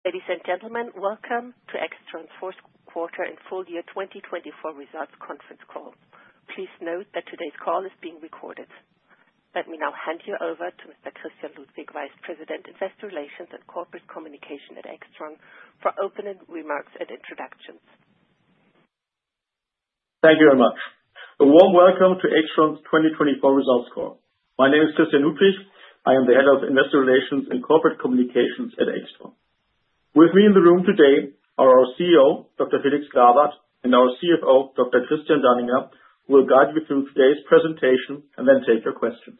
Ladies and gentlemen, welcome to AIXTRON's fourth quarter and full year 2024 results conference call. Please note that today's call is being recorded. Let me now hand you over to Mr. Christian Ludwig, Vice President, Investor Relations and Corporate Communications at AIXTRON, for opening remarks and introductions. Thank you very much. A warm welcome to AIXTRON's 2024 results call. My name is Christian Ludwig. I am the Head of Investor Relations and Corporate Communications at AIXTRON. With me in the room today are our CEO, Dr. Felix Grawert, and our CFO, Dr. Christian Danninger, who will guide you through today's presentation and then take your questions.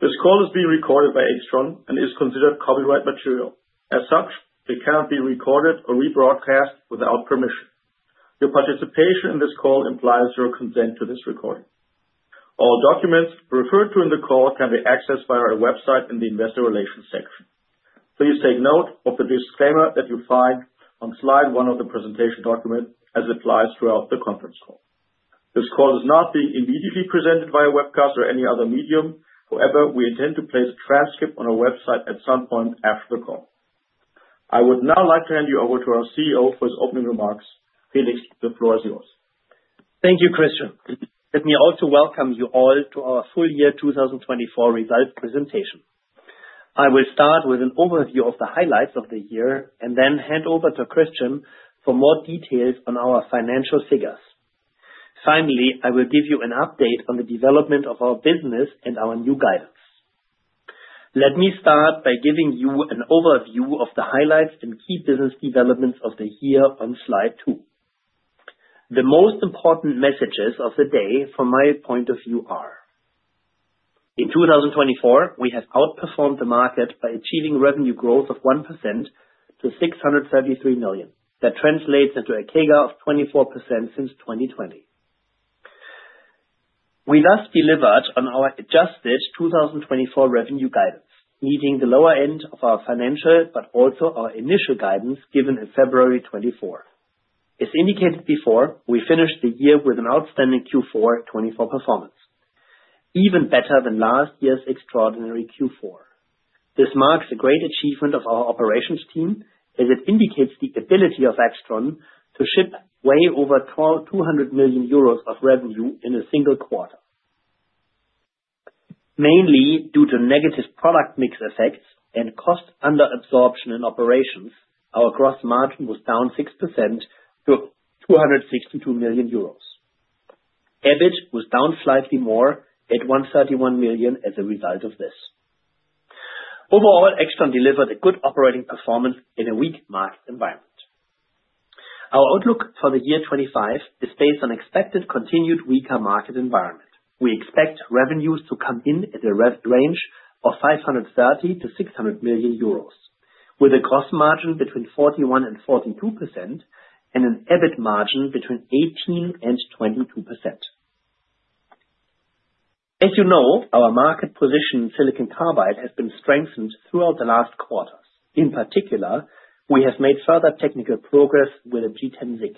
This call is being recorded by AIXTRON and is considered copyright material. As such, it cannot be recorded or rebroadcast without permission. Your participation in this call implies your consent to this recording. All documents referred to in the call can be accessed via our website in the Investor Relations section. Please take note of the disclaimer that you find on slide one of the presentation document as it applies throughout the conference call. This call is not being immediately presented via webcast or any other medium. However, we intend to place a transcript on our website at some point after the call. I would now like to hand you over to our CEO for his opening remarks. Felix, the floor is yours. Thank you, Christian. Let me also welcome you all to our full year 2024 results presentation. I will start with an overview of the highlights of the year and then hand over to Christian for more details on our financial figures. Finally, I will give you an update on the development of our business and our new guidance. Let me start by giving you an overview of the highlights and key business developments of the year on slide two. The most important messages of the day, from my point of view, are: in 2024, we have outperformed the market by achieving revenue growth of 1% to 633 million. That translates into a CAGR of 24% since 2020. We thus delivered on our adjusted 2024 revenue guidance, meeting the lower end of our financial but also our initial guidance given in February 2024. As indicated before, we finished the year with an outstanding Q4 2024 performance, even better than last year's extraordinary Q4. This marks a great achievement of our operations team as it indicates the ability of AIXTRON to ship way over 200 million euros of revenue in a single quarter. Mainly due to negative product mix effects and cost under absorption in operations, our gross margin was down 6% to 262 million euros. EBIT was down slightly more at 131 million as a result of this. Overall, AIXTRON delivered a good operating performance in a weak market environment. Our outlook for the year 2025 is based on expected continued weaker market environment. We expect revenues to come in at a range of 530-600 million euros, with a gross margin between 41% and 42% and an EBIT margin between 18% and 22%. As you know, our market position in silicon carbide has been strengthened throughout the last quarters. In particular, we have made further technical progress with a G10-SiC.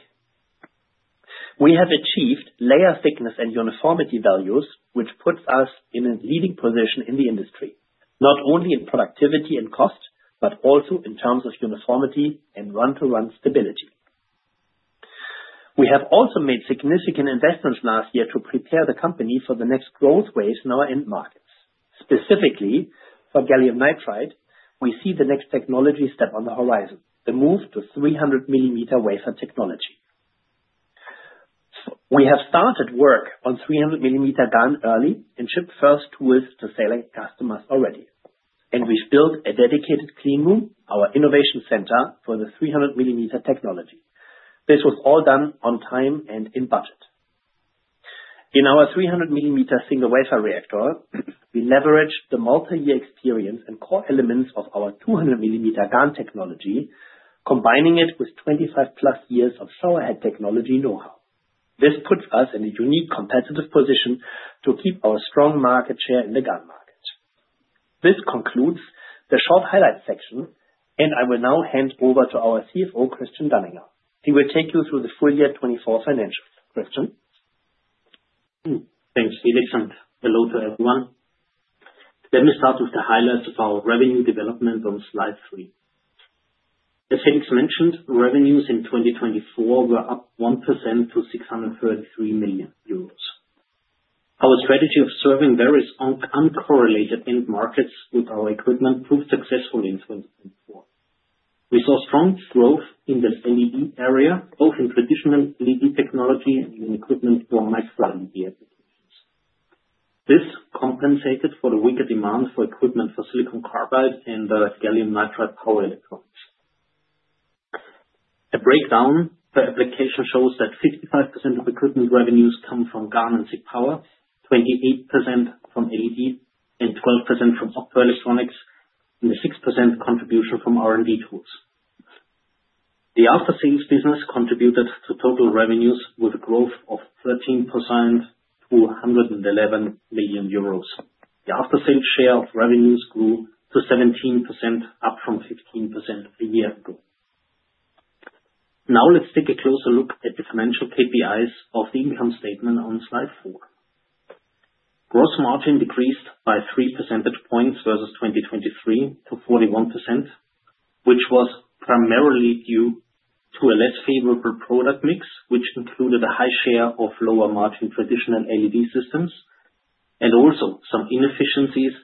We have achieved layer thickness and uniformity values, which puts us in a leading position in the industry, not only in productivity and cost, but also in terms of uniformity and run-to-run stability. We have also made significant investments last year to prepare the company for the next growth waves in our end markets. Specifically, for gallium nitride, we see the next technology step on the horizon, the move to 300 mm wafer technology. We have started work on 300 mm GaN early and shipped first with the selling customers already, and we've built a dedicated clean room, our Innovation Center for the 300 mm technology. This was all done on time and in budget. In our 300 mm single-wafer reactor, we leverage the multi-year experience and core elements of our 200 mm GaN technology, combining it with 25 plus years of showerhead technology know-how. This puts us in a unique competitive position to keep our strong market share in the GaN market. This concludes the short highlight section, and I will now hand over to our CFO, Christian Danninger. He will take you through the full year 2024 financials. Christian? Thanks, Felix, and hello to everyone. Let me start with the highlights of our revenue development on slide three. As Felix mentioned, revenues in 2024 were up 1% to 633 million euros. Our strategy of serving various uncorrelated end markets with our equipment proved successful in 2024. We saw strong growth in the LED area, both in traditional LED technology and in equipment for micro-LED applications. This compensated for the weaker demand for equipment for silicon carbide and the gallium nitride power electronics. A breakdown per application shows that 55% of equipment revenues come from GaN and SiC power, 28% from LED, and 12% from optoelectronics, and a 6% contribution from R&D tools. The after-sales business contributed to total revenues with a growth of 13% to 111 million euros. The after-sales share of revenues grew to 17%, up from 15% a year ago. Now let's take a closer look at the financial KPIs of the income statement on slide four. Gross margin decreased by 3 percentage points versus 2023 to 41%, which was primarily due to a less favorable product mix, which included a high share of lower margin traditional LED systems, and also some inefficiencies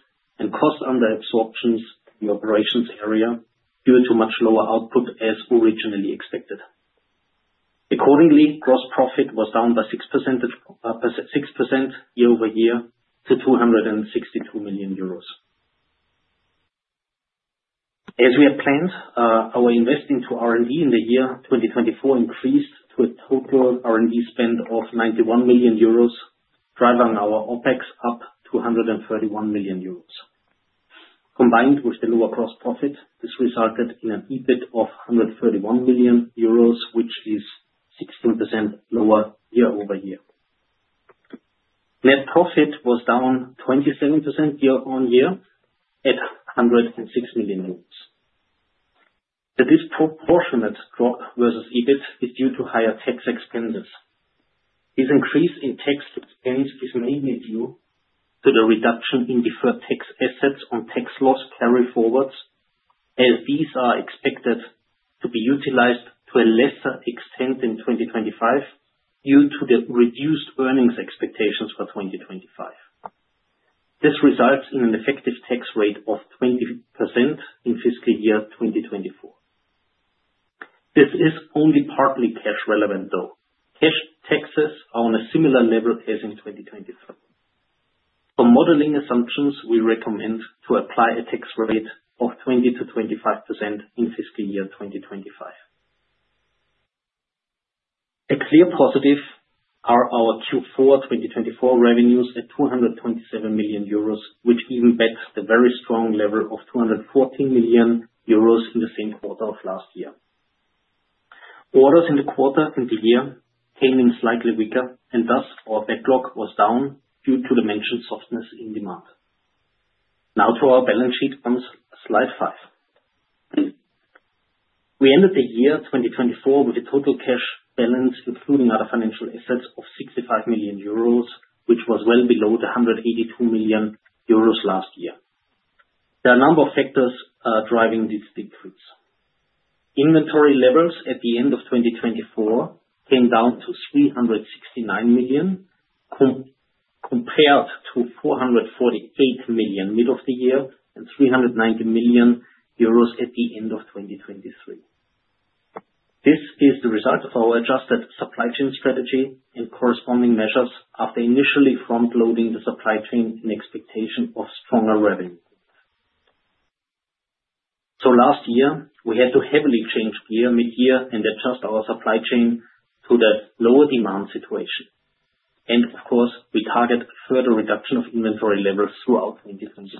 and cost under-absorptions in the operations area due to much lower output as originally expected. Accordingly, gross profit was down by 6% year-over-year to EUR 262 million. As we had planned, our investing to R&D in the year 2024 increased to a total R&D spend of 91 million euros, driving our OpEx up to 131 million euros. Combined with the lower gross profit, this resulted in an EBIT of 131 million euros, which is 16% lower year-over-year. Net profit was down 27% year on year at 106 million. The disproportionate drop versus EBIT is due to higher tax expenses. This increase in tax expense is mainly due to the reduction in deferred tax assets on tax loss carry forwards, as these are expected to be utilized to a lesser extent in 2025 due to the reduced earnings expectations for 2025. This results in an effective tax rate of 20% in fiscal year 2024. This is only partly cash relevant, though. Cash taxes are on a similar level as in 2023. For modeling assumptions, we recommend to apply a tax rate of 20%-25% in fiscal year 2025. A clear positive are our Q4 2024 revenues at 227 million euros, which even beat the very strong level of 214 million euros in the same quarter of last year. Orders in the quarter and the year came in slightly weaker, and thus our backlog was down due to the mentioned softness in demand. Now to our balance sheet on slide five. We ended the year 2024 with a total cash balance, including other financial assets, of 65 million euros, which was well below the 182 million euros last year. There are a number of factors driving this decrease. Inventory levels at the end of 2024 came down to 369 million, compared to 448 million mid of the year and 390 million euros at the end of 2023. This is the result of our adjusted supply chain strategy and corresponding measures after initially front-loading the supply chain in expectation of stronger revenue. So last year, we had to heavily change gear mid-year and adjust our supply chain to the lower demand situation. Of course, we target further reduction of inventory levels throughout 2024.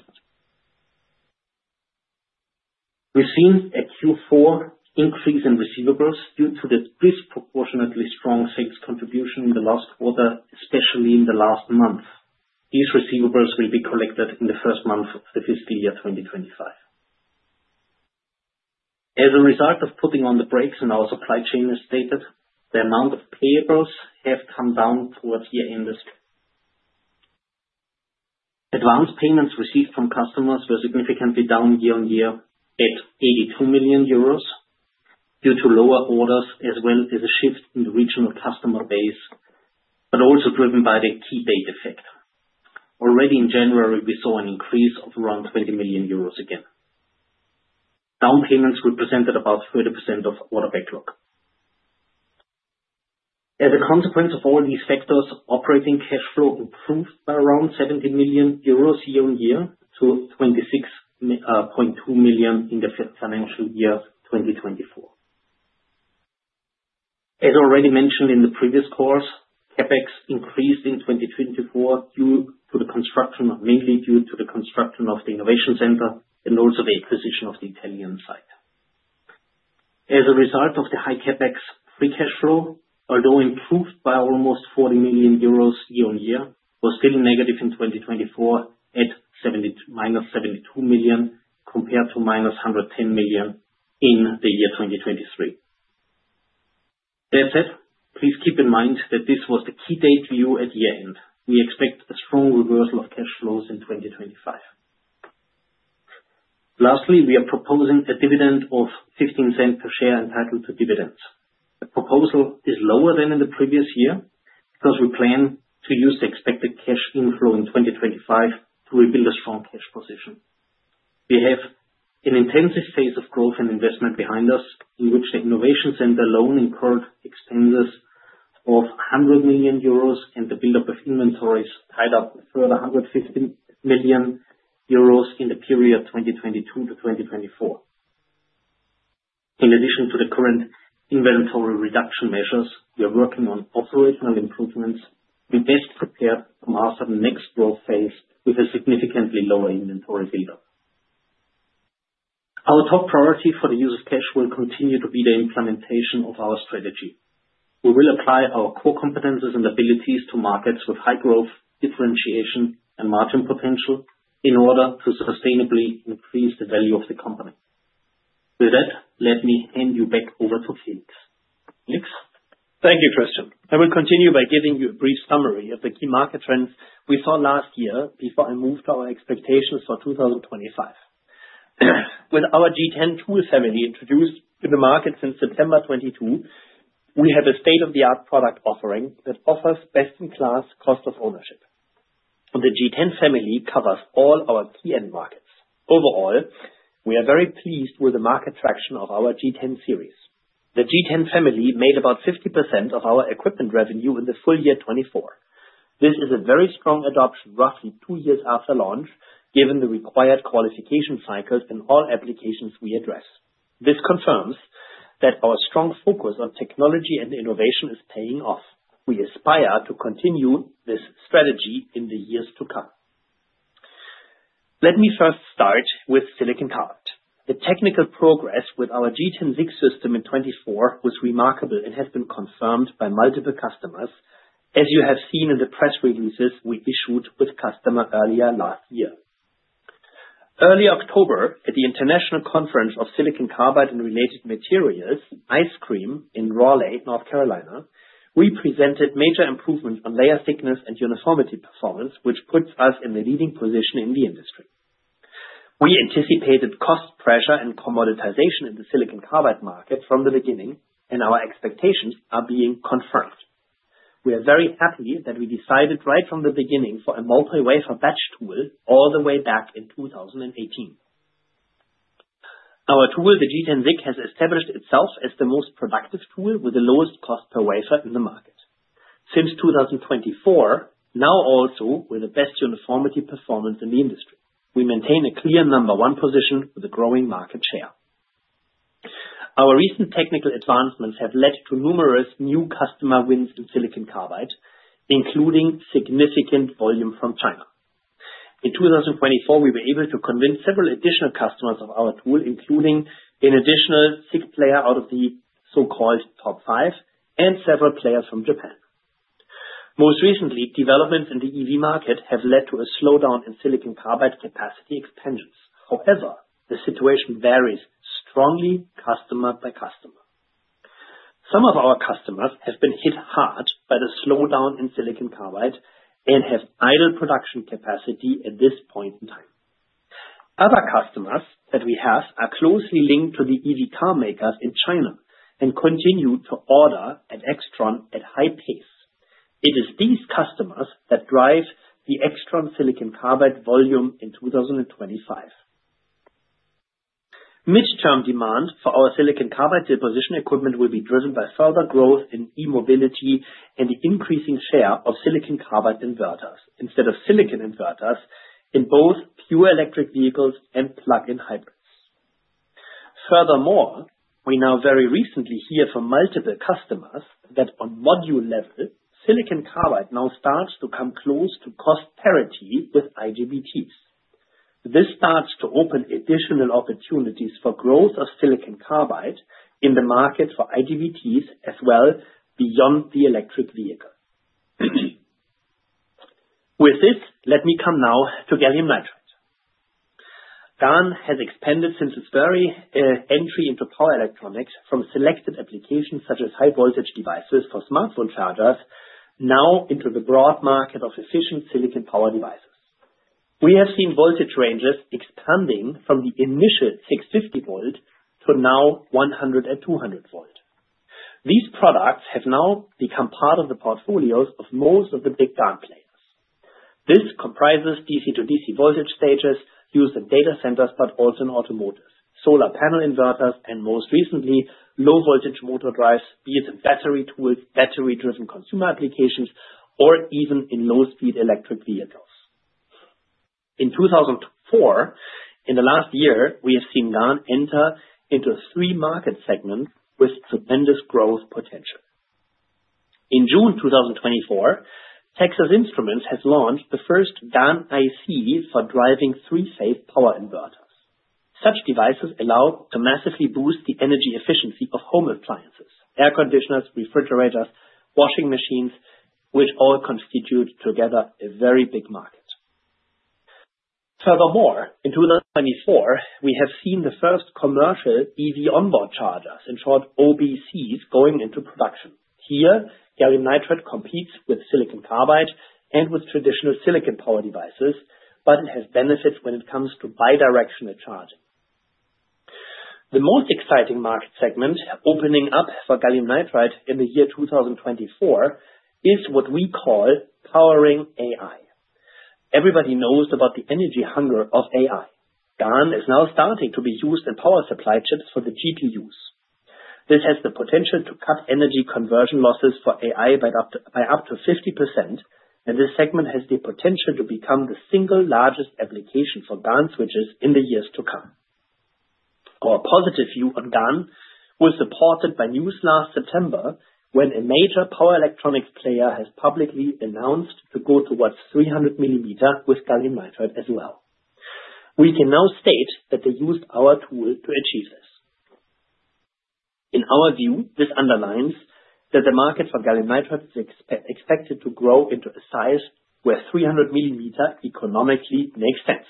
We've seen a Q4 increase in receivables due to the disproportionately strong sales contribution in the last quarter, especially in the last month. These receivables will be collected in the first month of the fiscal year 2025. As a result of putting on the brakes in our supply chain as stated, the amount of payables has come down towards year-end. Advance payments received from customers were significantly down year on year at 82 million euros due to lower orders, as well as a shift in the regional customer base, but also driven by the key date effect. Already in January, we saw an increase of around 20 million euros again. Down payments represented about 30% of order backlog. As a consequence of all these factors, operating cash flow improved by around 70 million euros year on year to 26.2 million in the financial year 2024. As already mentioned in the previous call, CapEx increased in 2024 due to the construction, mainly due to the construction of the innovation center and also the acquisition of the Italian site. As a result of the high CapEx, free cash flow, although improved by almost 40 million euros year on year, was still negative in 2024 at -72 million compared to -110 million in the year 2023. That said, please keep in mind that this was the cut-off date view at year-end. We expect a strong reversal of cash flows in 2025. Lastly, we are proposing a dividend of 0.15 per share entitled to dividends. The proposal is lower than in the previous year because we plan to use the expected cash inflow in 2025 to rebuild a strong cash position. We have an intensive phase of growth and investment behind us, in which the Innovation Center along incurred expenses of 100 million euros and the buildup of inventories tied up with further 115 million euros in the period 2022-2024. In addition to the current inventory reduction measures, we are working on operational improvements to be best prepared to master the next growth phase with a significantly lower inventory buildup. Our top priority for the use of cash will continue to be the implementation of our strategy. We will apply our core competencies and abilities to markets with high growth, differentiation, and margin potential in order to sustainably increase the value of the company. With that, let me hand you back over to Felix. Felix? Thank you, Christian. I will continue by giving you a brief summary of the key market trends we saw last year before I moved our expectations for 2025. With our G10 tool family introduced to the market since September 2022, we have a state-of-the-art product offering that offers best-in-class cost of ownership. From the G10 family covers all our key end markets. Overall, we are very pleased with the market traction of our G10 series. The G10 family made about 50% of our equipment revenue in the full year 2024. This is a very strong adoption roughly two years after launch, given the required qualification cycles in all applications we address. This confirms that our strong focus on technology and innovation is paying off. We aspire to continue this strategy in the years to come. Let me first start with silicon carbide. The technical progress with our G10-SiC system in 2024 was remarkable and has been confirmed by multiple customers, as you have seen in the press releases we issued with customers earlier last year. Early October, at the International Conference on Silicon Carbide and Related Materials, ICSCRM in Raleigh, North Carolina, we presented major improvements on layer thickness and uniformity performance, which puts us in the leading position in the industry. We anticipated cost pressure and commoditization in the silicon carbide market from the beginning, and our expectations are being confirmed. We are very happy that we decided right from the beginning for a multi-wafer batch tool all the way back in 2018. Our tool, the G10-SiC, has established itself as the most productive tool with the lowest cost per wafer in the market. Since 2024, now also with the best uniformity performance in the industry, we maintain a clear number one position with a growing market share. Our recent technical advancements have led to numerous new customer wins in silicon carbide, including significant volume from China. In 2024, we were able to convince several additional customers of our tool, including an additional SiC player out of the so-called top five and several players from Japan. Most recently, developments in the EV market have led to a slowdown in silicon carbide capacity expansions. However, the situation varies strongly customer by customer. Some of our customers have been hit hard by the slowdown in silicon carbide and have idle production capacity at this point in time. Other customers that we have are closely linked to the EV car makers in China and continue to order at AIXTRON at high pace. It is these customers that drive the AIXTRON silicon carbide volume in 2025. Midterm demand for our silicon carbide deposition equipment will be driven by further growth in e-mobility and the increasing share of silicon carbide inverters instead of silicon inverters in both pure electric vehicles and plug-in hybrids. Furthermore, we now very recently hear from multiple customers that on module level, silicon carbide now starts to come close to cost parity with IGBTs. This starts to open additional opportunities for growth of silicon carbide in the market for IGBTs as well beyond the electric vehicle. With this, let me come now to gallium nitride. GaN has expanded since its very entry into power electronics from selected applications such as high-voltage devices for smartphone chargers, now into the broad market of efficient silicon power devices. We have seen voltage ranges expanding from the initial 650 volt to now 100 and 200 volt. These products have now become part of the portfolios of most of the big GaN players. This comprises DC-to-DC voltage stages used in data centers, but also in automotive, solar panel inverters, and most recently, low-voltage motor drives, be it in battery tools, battery-driven consumer applications, or even in low-speed electric vehicles. In 2024, in the last year, we have seen GaN enter into three market segments with tremendous growth potential. In June 2024, Texas Instruments has launched the first GaN IC for driving three-phase power inverters. Such devices allow to massively boost the energy efficiency of home appliances, air conditioners, refrigerators, washing machines, which all constitute together a very big market. Furthermore, in 2024, we have seen the first commercial EV onboard chargers, in short, OBCs, going into production. Here, gallium nitride competes with silicon carbide and with traditional silicon power devices, but it has benefits when it comes to bidirectional charging. The most exciting market segment opening up for gallium nitride in the year 2024 is what we call powering AI. Everybody knows about the energy hunger of AI. GaN is now starting to be used in power supply chips for the GPUs. This has the potential to cut energy conversion losses for AI by up to 50%, and this segment has the potential to become the single largest application for GaN switches in the years to come. Our positive view on GaN was supported by news last September when a major power electronics player has publicly announced to go towards 300 mm with gallium nitride as well. We can now state that they used our tool to achieve this. In our view, this underlines that the market for gallium nitride is expected to grow into a size where 300 mm economically makes sense.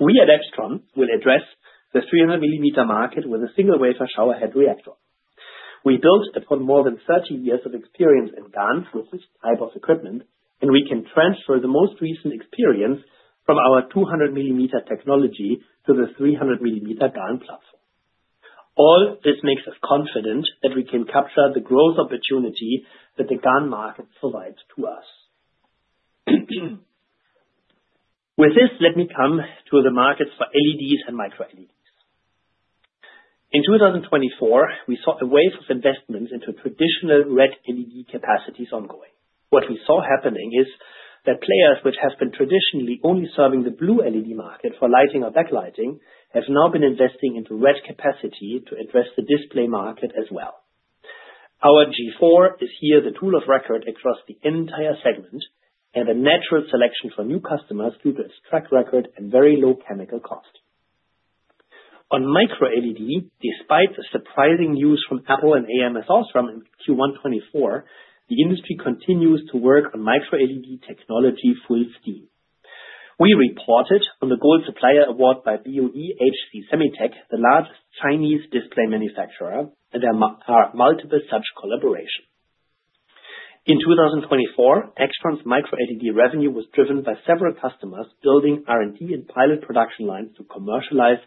We at AIXTRON will address the 300 mm market with a single-wafer showerhead reactor. We built upon more than 30 years of experience in GaN with this type of equipment, and we can transfer the most recent experience from our 200 mm technology to the 300 mm GaN platform. All this makes us confident that we can capture the growth opportunity that the GaN market provides to us. With this, let me come to the markets for LEDs and micro-LEDs. In 2024, we saw a wave of investments into traditional LED capacities ongoing. What we saw happening is that players which have been traditionally only serving the blue LED market for lighting or backlighting have now been investing into red capacity to address the display market as well. Our G4 is here the tool of record across the entire segment and a natural selection for new customers due to its track record and very low chemical cost. On micro-LED, despite the surprising news from Apple and ams OSRAM in Q1 2024, the industry continues to work on micro-LED technology full steam. We reported on the Gold Supplier Award by BOE HC SemiTek, the largest Chinese display manufacturer, and there are multiple such collaborations. In 2024, AIXTRON's micro-LED revenue was driven by several customers building R&D and pilot production lines to commercialize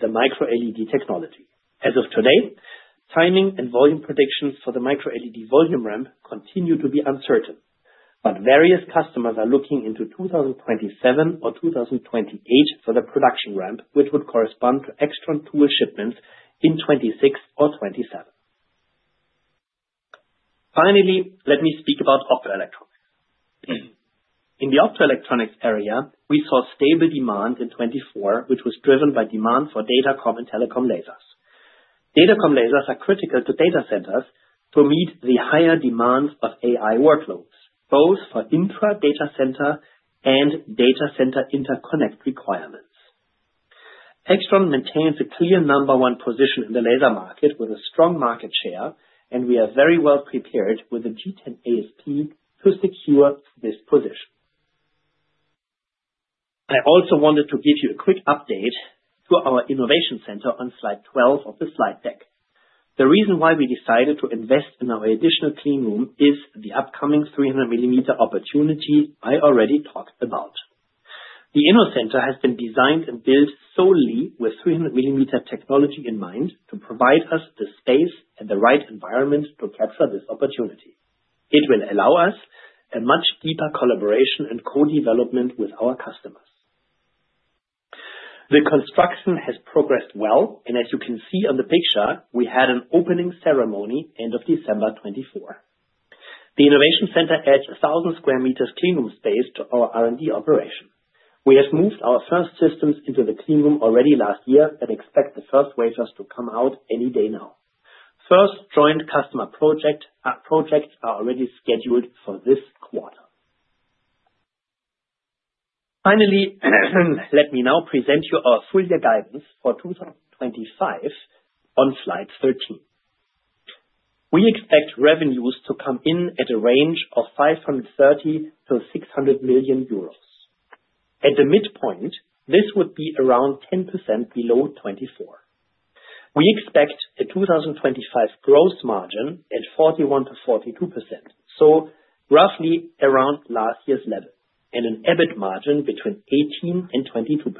the micro-LED technology. As of today, timing and volume predictions for the micro-LED volume ramp continue to be uncertain, but various customers are looking into 2027 or 2028 for the production ramp, which would correspond to AIXTRON tool shipments in 2026 or 2027. Finally, let me speak about optoelectronics. In the optoelectronics area, we saw stable demand in 2024, which was driven by demand for datacom and telecom lasers. Datacom lasers are critical to data centers to meet the higher demands of AI workloads, both for intra-data center and data center interconnect requirements. AIXTRON maintains a clear number one position in the laser market with a strong market share, and we are very well prepared with the G10-AsP to secure this position. I also wanted to give you a quick update to our innovation center on slide 12 of the slide deck. The reason why we decided to invest in our additional clean room is the upcoming 300 mm opportunity I already talked about. The Innovation Center has been designed and built solely with 300 mm technology in mind to provide us the space and the right environment to capture this opportunity. It will allow us a much deeper collaboration and co-development with our customers. The construction has progressed well, and as you can see on the picture, we had an opening ceremony end of December 2024. The innovation center adds 1,000 sq m clean room space to our R&D operation. We have moved our first systems into the clean room already last year and expect the first wafers to come out any day now. First joint customer projects are already scheduled for this quarter. Finally, let me now present you our full-year guidance for 2025 on slide 13. We expect revenues to come in at a range of 530 million-600 million euros. At the midpoint, this would be around 10% below 2024. We expect a 2025 gross margin at 41%-42%, so roughly around last year's level, and an EBIT margin between 18% and 22%.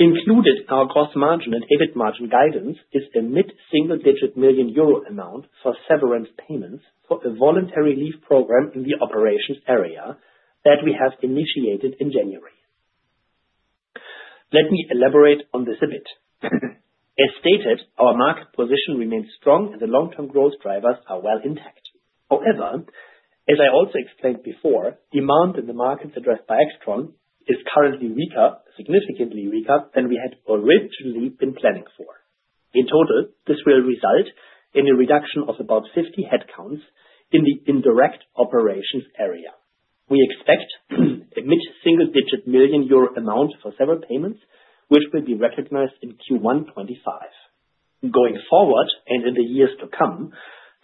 Included in our gross margin and EBIT margin guidance is a mid-single-digit million euro amount for severance payments for a voluntary leave program in the operations area that we have initiated in January. Let me elaborate on this a bit. As stated, our market position remains strong and the long-term growth drivers are well intact. However, as I also explained before, demand in the markets addressed by AIXTRON is currently weaker, significantly weaker than we had originally been planning for. In total, this will result in a reduction of about 50 headcounts in the indirect operations area. We expect a mid-single-digit million euro amount for severance payments, which will be recognized in Q1 2025. Going forward and in the years to come,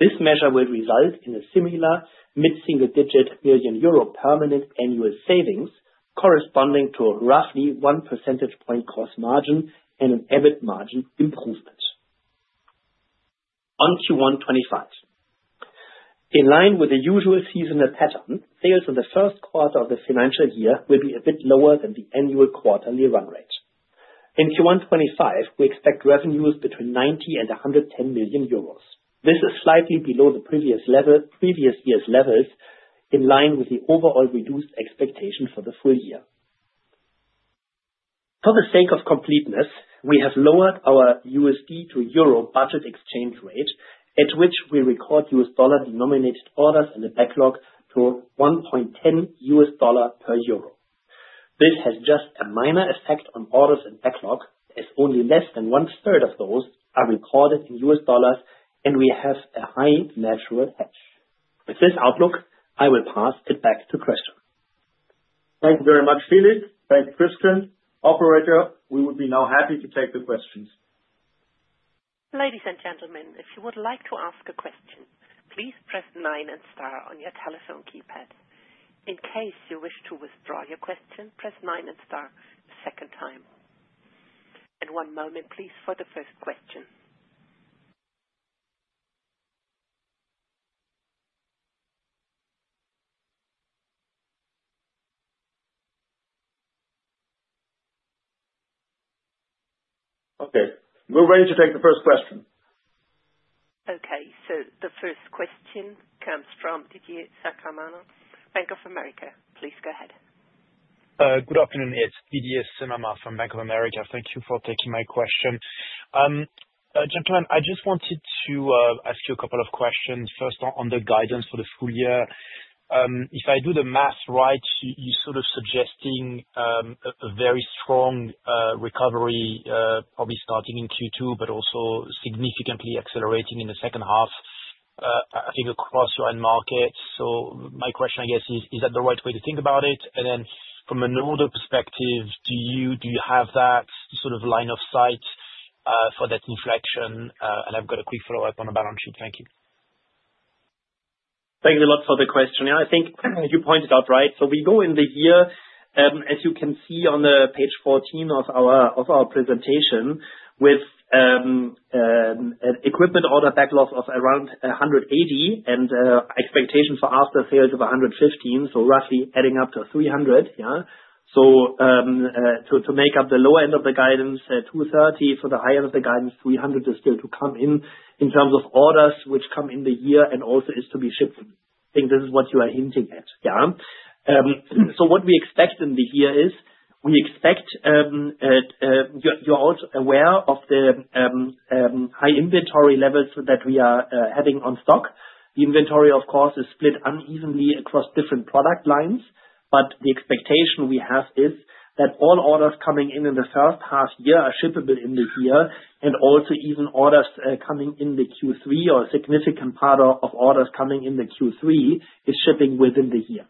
this measure will result in a similar mid-single-digit million euro permanent annual savings corresponding to roughly one percentage point cost margin and an EBIT margin improvement. On Q1 2025, in line with the usual seasonal pattern, sales in the first quarter of the financial year will be a bit lower than the annual quarterly run rate. In Q1 2025, we expect revenues between 90 million and 110 million euros. This is slightly below the previous year's levels in line with the overall reduced expectation for the full year. For the sake of completeness, we have lowered our USD to EUR budget exchange rate at which we record US dollar-denominated orders in the backlog to $1.10 per euro. This has just a minor effect on orders in backlog as only less than one third of those are recorded in U.S. dollars, and we have a high natural hedge. With this outlook, I will pass it back to Christian. Thank you very much, Felix. Thanks, Christian. Operator, we would be now happy to take the questions. Ladies and gentlemen, if you would like to ask a question, please press nine and star on your telephone keypad. In case you wish to withdraw your question, press nine and star a second time. And one moment, please, for the first question. Okay. We're ready to take the first question. Okay. So the first question comes from Didier Scemama, Bank of America. Please go ahead. Good afternoon. It's Didier Scemama from Bank of America. Thank you for taking my question. Gentlemen, I just wanted to ask you a couple of questions. First, on the guidance for the full year, if I do the math right, you're sort of suggesting a very strong recovery, probably starting in Q2, but also significantly accelerating in the second half, I think, across your end market. So my question, I guess, is that the right way to think about it? And then from an order perspective, do you have that sort of line of sight for that inflection? And I've got a quick follow-up on the balance sheet. Thank you. Thank you a lot for the question. I think you point it right. So we go into the year, as you can see on page 14 of our presentation, with an equipment order backlog of around 180 million and expectation for after-sales of 115 million, so roughly adding up to 300 million. So to make up the lower end of the guidance, 230 million. So the high end of the guidance, 300, is still to come in in terms of orders which come in the year and also is to be shipped. I think this is what you are hinting at. So what we expect in the year is we expect you're also aware of the high inventory levels that we are having on stock. The inventory, of course, is split unevenly across different product lines, but the expectation we have is that all orders coming in in the first half year are shippable in the year, and also even orders coming in the Q3 or a significant part of orders coming in the Q3 is shipping within the year,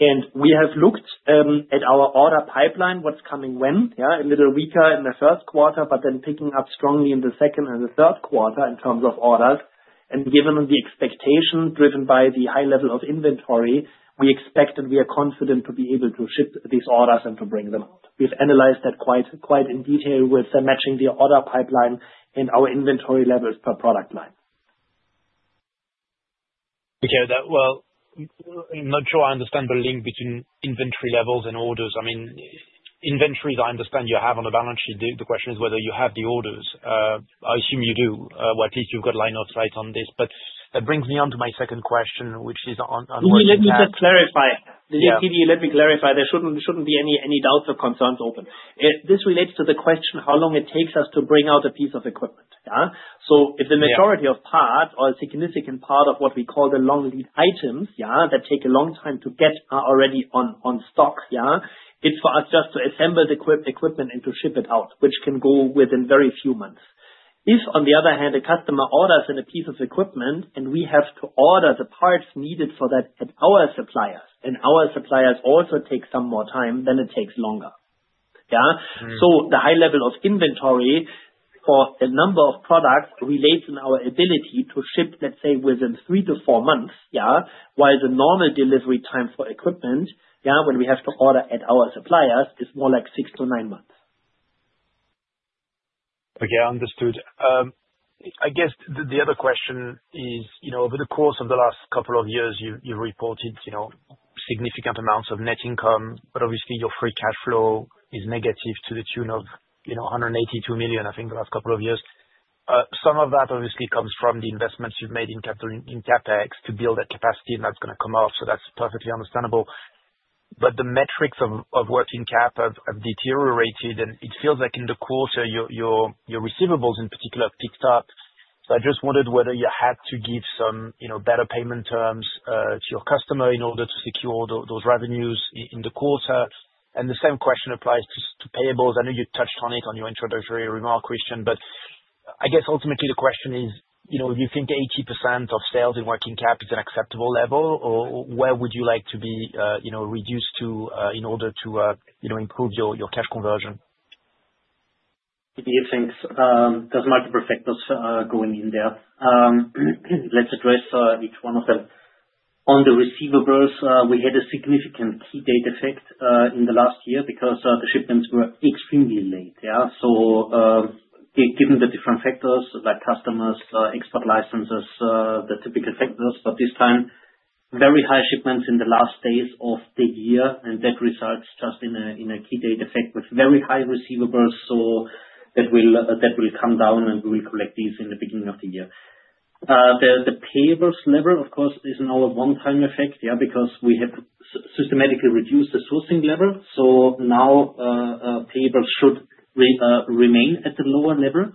and we have looked at our order pipeline, what's coming when, a little weaker in the first quarter, but then picking up strongly in the second and the third quarter in terms of orders. Given the expectation driven by the high level of inventory, we expect and we are confident to be able to ship these orders and to bring them out. We've analyzed that quite in detail with matching the order pipeline and our inventory levels per product line. Okay. Well, I'm not sure I understand the link between inventory levels and orders. I mean, inventories I understand you have on the balance sheet. The question is whether you have the orders. I assume you do, or at least you've got line of sight on this. But that brings me on to my second question, which is on what you have. Let me just clarify. Did you see me? Let me clarify. There shouldn't be any doubts or concerns open. This relates to the question how long it takes us to bring out a piece of equipment. If the majority of part or a significant part of what we call the long lead items that take a long time to get are already in stock, it's for us just to assemble the equipment and to ship it out, which can go within very few months. If, on the other hand, a customer orders a piece of equipment and we have to order the parts needed for that at our suppliers, and our suppliers also take some more time, then it takes longer. The high level of inventory for a number of products relates to our ability to ship, let's say, within three to four months, while the normal delivery time for equipment, when we have to order at our suppliers, is more like six to nine months. Okay. Understood. I guess the other question is, over the course of the last couple of years, you've reported significant amounts of net income, but obviously, your free cash flow is negative to the tune of 182 million, I think, the last couple of years. Some of that obviously comes from the investments you've made in CapEx to build that capacity, and that's going to come off. So that's perfectly understandable. But the metrics of working cap have deteriorated, and it feels like in the quarter, your receivables in particular have ticked up. So I just wondered whether you had to give some better payment terms to your customer in order to secure those revenues in the quarter. And the same question applies to payables. I know you touched on it in your introductory remark, Christian, but I guess ultimately, the question is, do you think 80% of sales in working cap is an acceptable level, or where would you like to see it reduced to in order to improve your cash conversion? Didier thanks the market's perception is going into the year. Let's address each one of them. On the receivables, we had a significant key date effect in the last year because the shipments were extremely late. So given the different factors like customers, export licenses, the typical factors, but this time, very high shipments in the last days of the year, and that results just in a key date effect with very high receivables. So that will come down, and we will collect these in the beginning of the year. The payables level, of course, is now a one-time effect because we have systematically reduced the sourcing level, so now payables should remain at the lower level.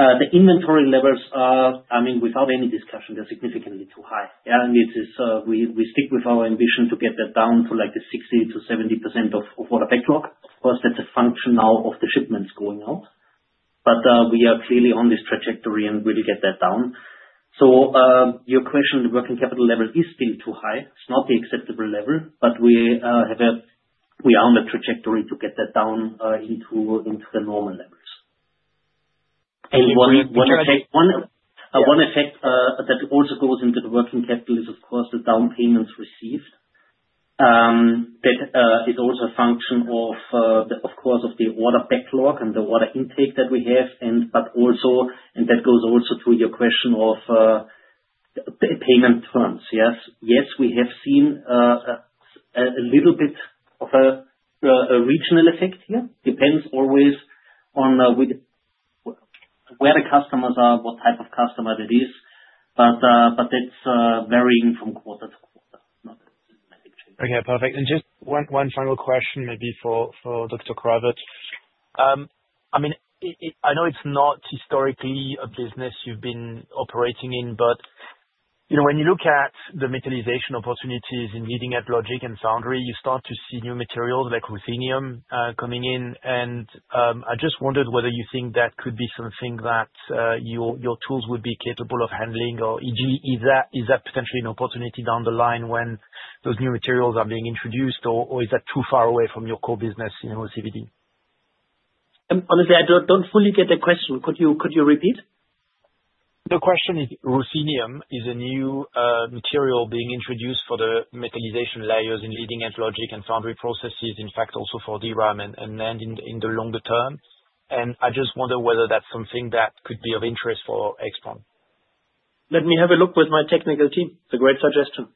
The inventory levels are, I mean, without any discussion, they're significantly too high, and we stick with our ambition to get that down to like the 60%-70% of order backlog. Of course, that's a function now of the shipments going out, but we are clearly on this trajectory and will get that down, so your question, the working capital level is still too high. It's not the acceptable level, but we are on the trajectory to get that down into the normal levels, and one effect that also goes into the working capital is, of course, the down payments received. That is also a function of, of course, of the order backlog and the order intake that we have, but also that goes also to your question of payment terms. Yes, we have seen a little bit of a regional effect here. Depends always on where the customers are, what type of customer that is, but that's varying from quarter to quarter. Okay. Perfect. And just one final question maybe for Dr. Grawert. I mean, I know it's not historically a business you've been operating in, but when you look at the metallization opportunities in leading-edge logic and foundry, you start to see new materials like ruthenium coming in. I just wondered whether you think that could be something that your tools would be capable of handling, or is that potentially an opportunity down the line when those new materials are being introduced, or is that too far away from your core business in MOCVD? Honestly, I don't fully get the question. Could you repeat? The question is, ruthenium is a new material being introduced for the metallization layers in leading-edge logic and foundry processes, in fact, also for DRAM and NAND in the longer term. I just wonder whether that's something that could be of interest for AIXTRON. Let me have a look with my technical team. It's a great suggestion.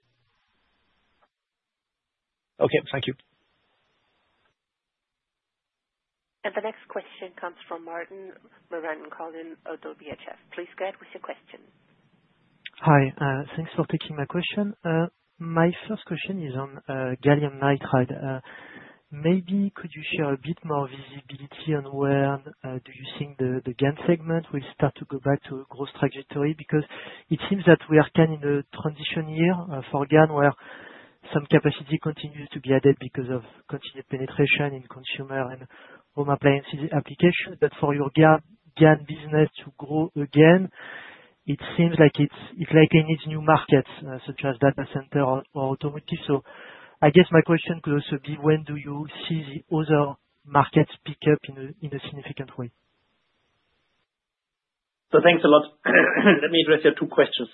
Okay. Thank you. The next question comes from Martin Marandon-Carlhian ODDO BHF. Please go ahead with your question. Hi. Thanks for taking my question. My first question is on gallium nitride. Maybe could you share a bit more visibility on where do you think the GaN segment will start to go back to a growth trajectory? Because it seems that we are kind of in a transition year for GaN where some capacity continues to be added because of continued penetration in consumer and home appliances applications. But for your GaN business to grow again, it seems like it needs new markets such as data center or automotive. So I guess my question could also be, when do you see the other markets pick up in a significant way? So thanks a lot. Let me address your two questions.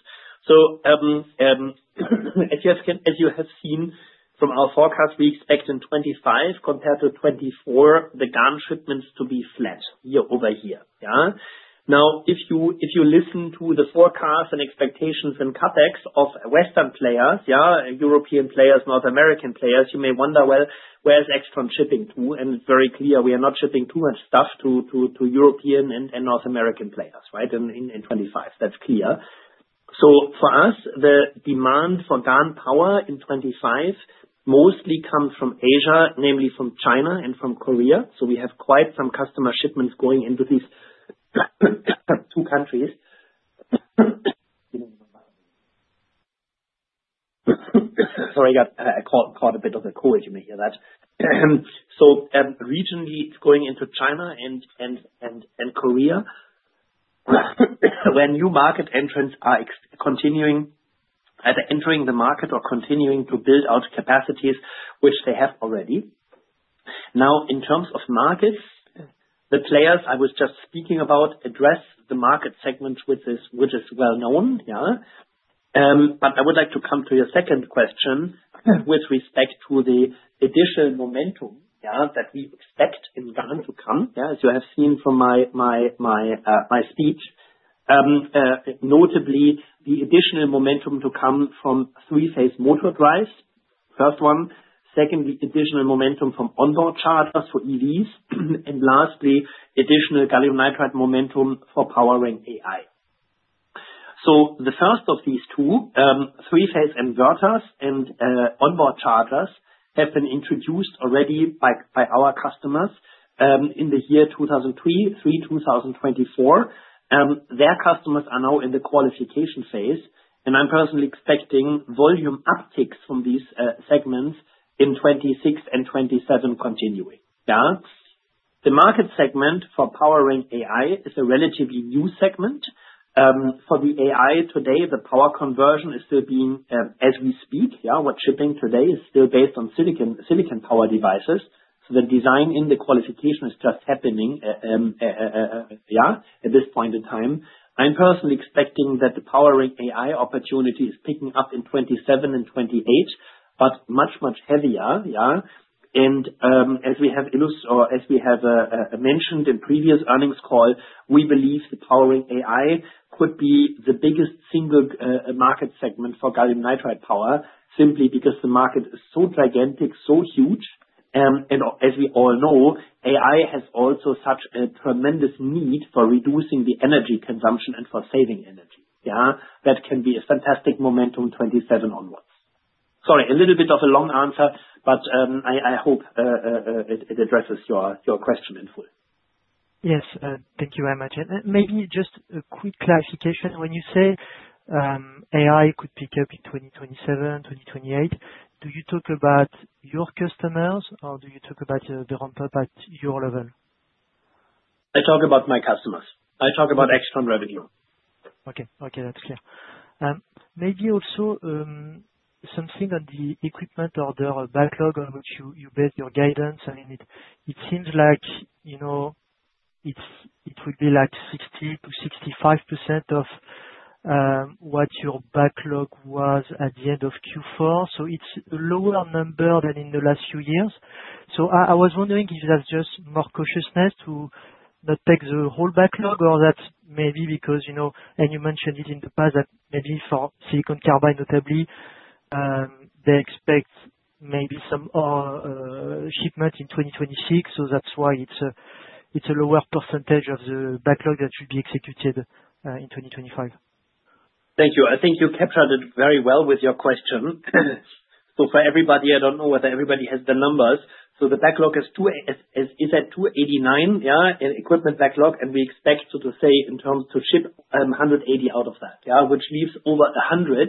So as you have seen from our forecast, we expect in 2025, compared to 2024, the GaN shipments to be flat year-over-year. Now, if you listen to the forecasts and expectations and CapEx of Western players, European players, North American players, you may wonder, well, where is AIXTRON shipping to, and it's very clear we are not shipping too much stuff to European and North American players, right, in 2025. That's clear, so for us, the demand for GaN power in 2025 mostly comes from Asia, namely from China and from Korea, so we have quite some customer shipments going into these two countries. Sorry, I've got a bit of a cold. You may hear that, so regionally, it's going into China and Korea, where new market entrants are continuing to enter the market or continuing to build out capacities, which they have already. Now, in terms of markets, the players I was just speaking about address the market segment, which is well known. But I would like to come to your second question with respect to the additional momentum that we expect in GaN to come, as you have seen from my speech. Notably, the additional momentum to come from three-phase motor drives, first one. Secondly, additional momentum from onboard chargers for EVs. And lastly, additional gallium nitride momentum for powering AI. So the first of these two, three-phase inverters and onboard chargers, have been introduced already by our customers in the year 2023, 2024. Their customers are now in the qualification phase, and I'm personally expecting volume upticks from these segments in 2026 and 2027 continuing. The market segment for powering AI is a relatively new segment. For the AI today, the power conversion is still being as we speak. What's shipping today is still based on silicon power devices. So the design in the qualification is just happening at this point in time. I'm personally expecting that the powering AI opportunity is picking up in 2027 and 2028, but much, much heavier. And as we have mentioned in previous earnings call, we believe the powering AI could be the biggest single market segment for gallium nitride power, simply because the market is so gigantic, so huge. And as we all know, AI has also such a tremendous need for reducing the energy consumption and for saving energy. That can be a fantastic momentum 2027 onwards. Sorry, a little bit of a long answer, but I hope it addresses your question in full. Yes. Thank you very much. And maybe just a quick clarification. When you say AI could pick up in 2027, 2028, do you talk about your customers, or do you talk about the ramp-up at your level? I talk about my customers. I talk about AIXTRON revenue. Okay. Okay. That's clear. Maybe also something on the equipment order backlog on which you base your guidance. I mean, it seems like it would be like 60%-65% of what your backlog was at the end of Q4. So it's a lower number than in the last few years. So I was wondering if that's just more cautiousness to not take the whole backlog, or that's maybe because, and you mentioned it in the past, that maybe for silicon carbide, notably, they expect maybe some shipment in 2026. So that's why it's a lower percentage of the backlog that should be executed in 2025. Thank you. I think you captured it very well with your question. So for everybody, I don't know whether everybody has the numbers. So the backlog is at 289 equipment backlog, and we expect to say in terms to ship 180 out of that, which leaves over 100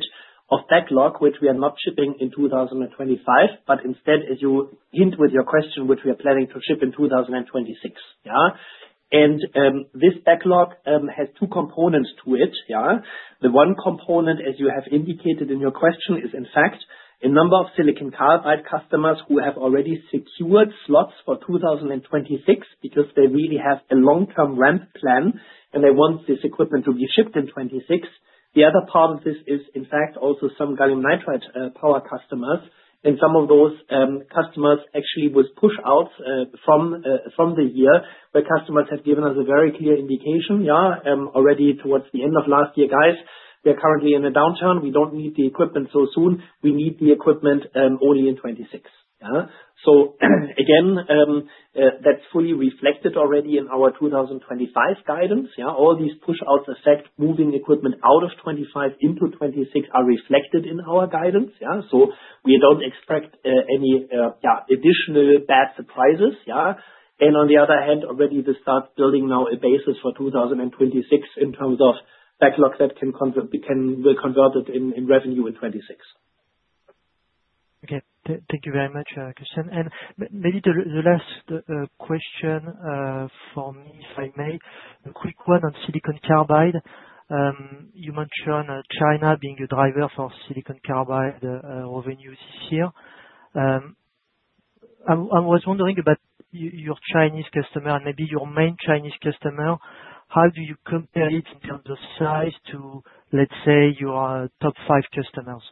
of backlog, which we are not shipping in 2025, but instead, as you hint with your question, which we are planning to ship in 2026. And this backlog has two components to it. The one component, as you have indicated in your question, is in fact a number of silicon carbide customers who have already secured slots for 2026 because they really have a long-term ramp plan, and they want this equipment to be shipped in 2026. The other part of this is, in fact, also some gallium nitride power customers. And some of those customers actually with push-outs from the year where customers have given us a very clear indication already towards the end of last year, guys, we are currently in a downturn. We don't need the equipment so soon. We need the equipment only in 2026. So again, that's fully reflected already in our 2025 guidance. All these push-outs affect moving equipment out of 2025 into 2026 are reflected in our guidance. So we don't expect any additional bad surprises. And on the other hand, already we start building now a basis for 2026 in terms of backlog that will convert it in revenue in 2026. Okay. Thank you very much, Christian. And maybe the last question for me, if I may, a quick one on silicon carbide. You mentioned China being a driver for silicon carbide revenues this year. I was wondering about your Chinese customer and maybe your main Chinese customer. How do you compare it in terms of size to, let's say, your top five customers?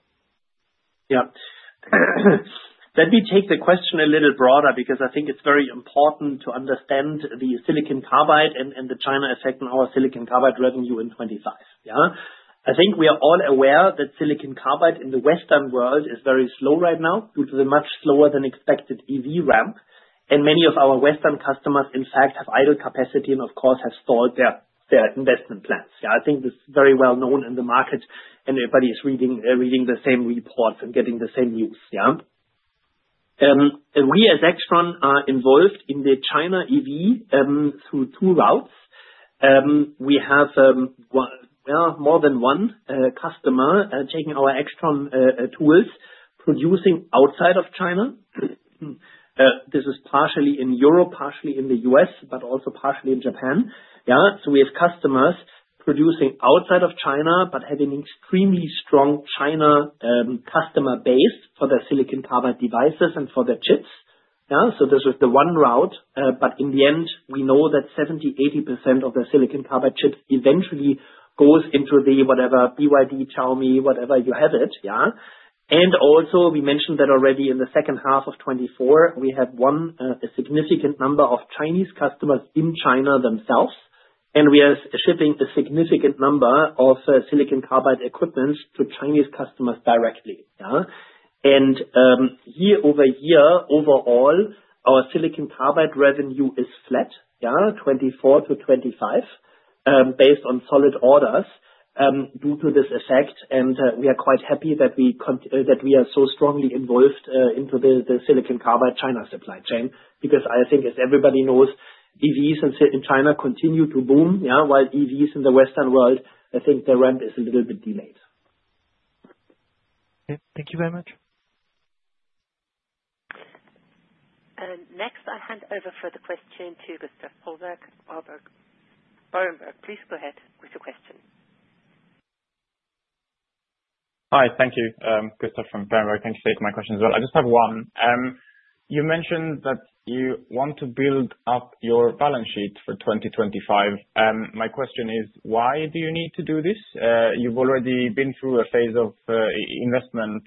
Yeah. Let me take the question a little broader because I think it's very important to understand the silicon carbide and the China effect on our silicon carbide revenue in 2025. I think we are all aware that silicon carbide in the Western world is very slow right now due to the much slower-than-expected EV ramp. And many of our Western customers, in fact, have idle capacity and, of course, have stalled their investment plans. I think this is very well known in the market, and everybody is reading the same reports and getting the same news. And we as AIXTRON are involved in the China EV through two routes. We have more than one customer taking our AIXTRON tools producing outside of China. This is partially in Europe, partially in the U.S., but also partially in Japan. So we have customers producing outside of China but having an extremely strong China customer base for their silicon carbide devices and for their chips. So this is the one route. But in the end, we know that 70%-80% of the silicon carbide chips eventually goes into the whatever BYD, Xiaomi, whatever you have it. And also, we mentioned that already in the second half of 2024, we have one significant number of Chinese customers in China themselves. And we are shipping a significant number of silicon carbide equipment to Chinese customers directly. And year-over-year, overall, our silicon carbide revenue is flat, '24-'25, based on solid orders due to this effect. And we are quite happy that we are so strongly involved into the silicon carbide China supply chain because I think, as everybody knows, EVs in China continue to boom. While EVs in the Western world, I think their ramp is a little bit delayed. Okay. Thank you very much. And next, I'll hand over for the question to Mr. Greulich. Please go ahead with your question. Hi. Thank you, Christoph from Berenberg. Thanks for taking my question as well. I just have one. You mentioned that you want to build up your balance sheet for 2025. My question is, why do you need to do this? You've already been through a phase of investment.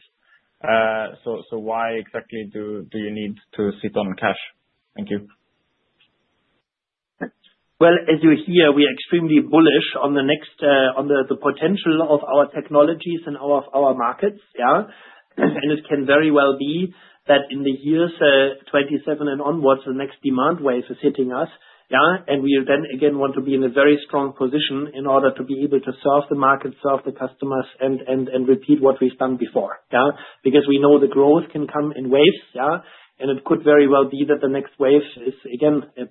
So why exactly do you need to sit on cash? Thank you. Well, as you hear, we are extremely bullish on the potential of our technologies and our markets. And it can very well be that in the years 2027 and onwards, the next demand wave is hitting us. We then again want to be in a very strong position in order to be able to serve the market, serve the customers, and repeat what we've done before. Because we know the growth can come in waves. And it could very well be that the next wave is, again, +30%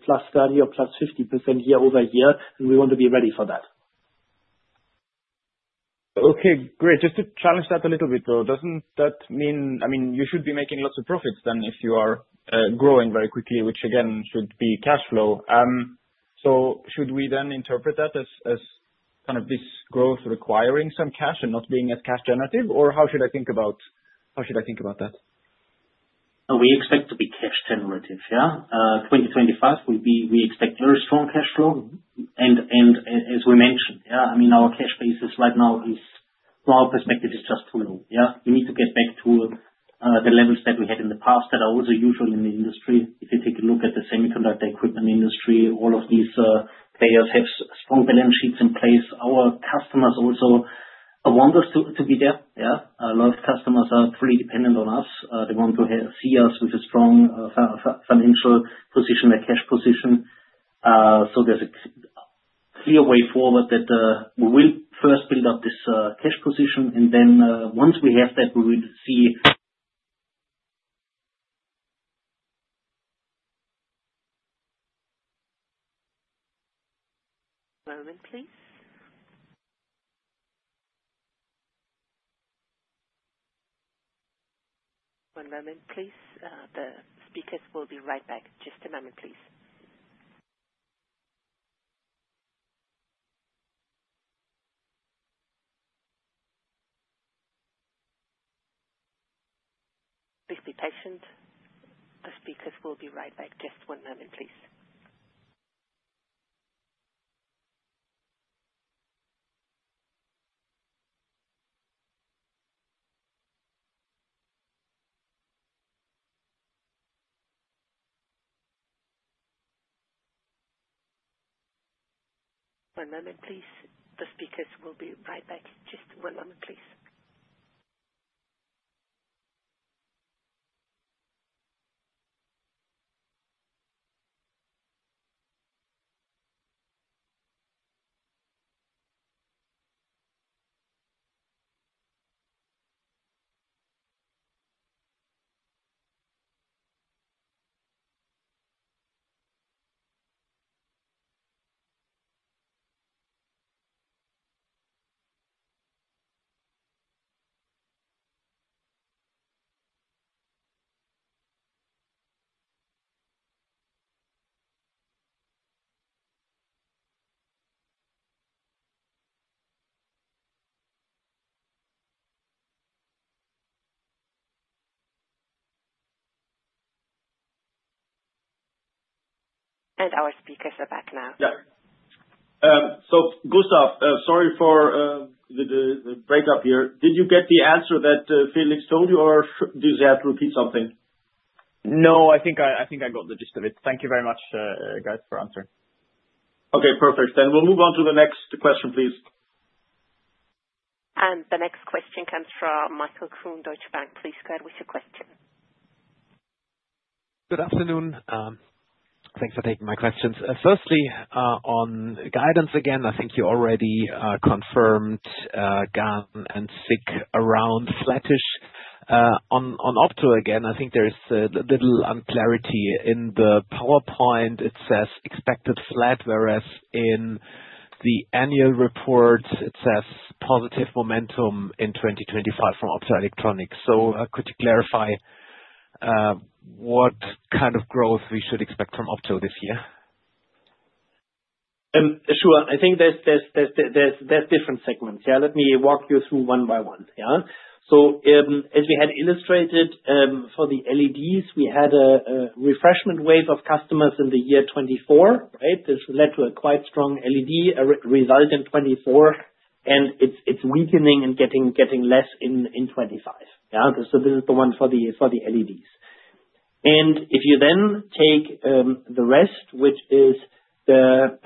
or +50% year-over-year. And we want to be ready for that. Okay. Great. Just to challenge that a little bit though, doesn't that mean, I mean, you should be making lots of profits then if you are growing very quickly, which again should be cash flow. So should we then interpret that as kind of this growth requiring some cash and not being as cash-generative? Or how should I think about how should I think about that? We expect to be cash-generative. 2025, we expect very strong cash flow. And as we mentioned, I mean, our cash basis right now, from our perspective, is just too low. We need to get back to the levels that we had in the past that are also usual in the industry. If you take a look at the semiconductor equipment industry, all of these players have strong balance sheets in place. Our customers also want us to be there. A lot of customers are fully dependent on us. They want to see us with a strong financial position, a cash position. So there's a clear way forward that we will first build up this cash position. And then once we have that, we will see. One moment, please. One moment, please. The speakers will be right back. Just a moment, please. Please be patient. The speakers will be right back. Just one moment, please. One moment, please. The speakers will be right back. Just one moment, please. And our speakers are back now. Yeah. So Christoph, sorry for the breakup here. Did you get the answer that Felix told you, or do you have to repeat something? No, I think I got the gist of it. Thank you very much, guys, for answering. Okay. Perfect. Then we'll move on to the next question, please. And the next question comes from Michael Kuhn, Deutsche Bank. Please go ahead with your question. Good afternoon. Thanks for taking my questions. Firstly, on guidance again, I think you already confirmed GaN and SiC around flattish. On Opto again, I think there is a little unclarity in the PowerPoint. It says expected flat, whereas in the annual report, it says positive momentum in 2025 from Optoelectronics. So could you clarify what kind of growth we should expect from Opto this year? Sure. I think there's different segments. Let me walk you through one by one. So as we had illustrated for the LEDs, we had a refreshment wave of customers in the year 2024, right? This led to a quite strong LED result in 2024, and it's weakening and getting less in 2025. So this is the one for the LEDs. And if you then take the rest, which is the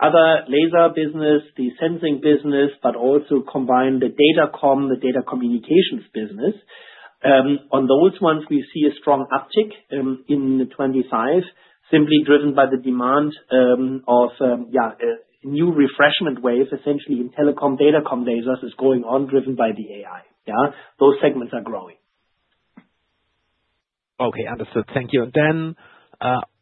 other laser business, the sensing business, but also combine the data com, the data communications business, on those ones, we see a strong uptick in 2025, simply driven by the demand of a new refreshment wave, essentially in telecom data com lasers is going on, driven by the AI. Those segments are growing. Okay. Understood. Thank you. And then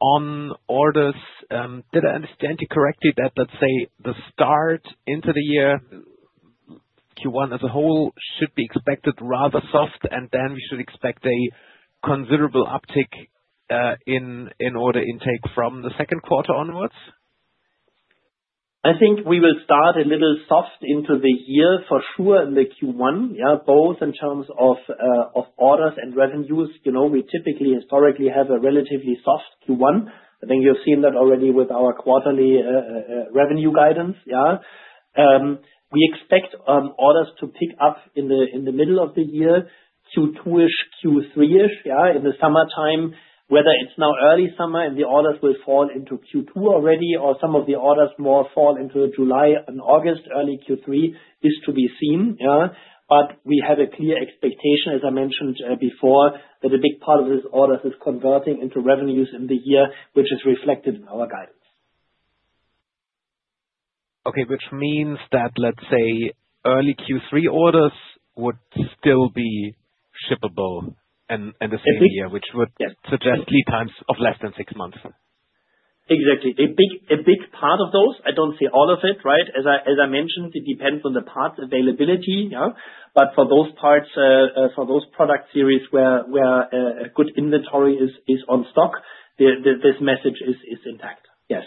on orders, did I understand you correctly that, let's say, the start into the year, Q1 as a whole, should be expected rather soft, and then we should expect a considerable uptick in order intake from the second quarter onwards? I think we will start a little soft into the year for sure in the Q1, both in terms of orders and revenues. We typically, historically, have a relatively soft Q1. I think you've seen that already with our quarterly revenue guidance. We expect orders to pick up in the middle of the year to Q2-ish, Q3-ish in the summertime, whether it's now early summer and the orders will fall into Q2 already, or some of the orders more fall into July and August, early Q3 is to be seen. But we have a clear expectation, as I mentioned before, that a big part of these orders is converting into revenues in the year, which is reflected in our guidance. Okay. Which means that, let's say, early Q3 orders would still be shippable in the same year, which would suggest lead times of less than six months. Exactly. A big part of those, I don't see all of it, right? As I mentioned, it depends on the parts availability. But for those parts, for those product series where a good inventory is on stock, this message is intact. Yes.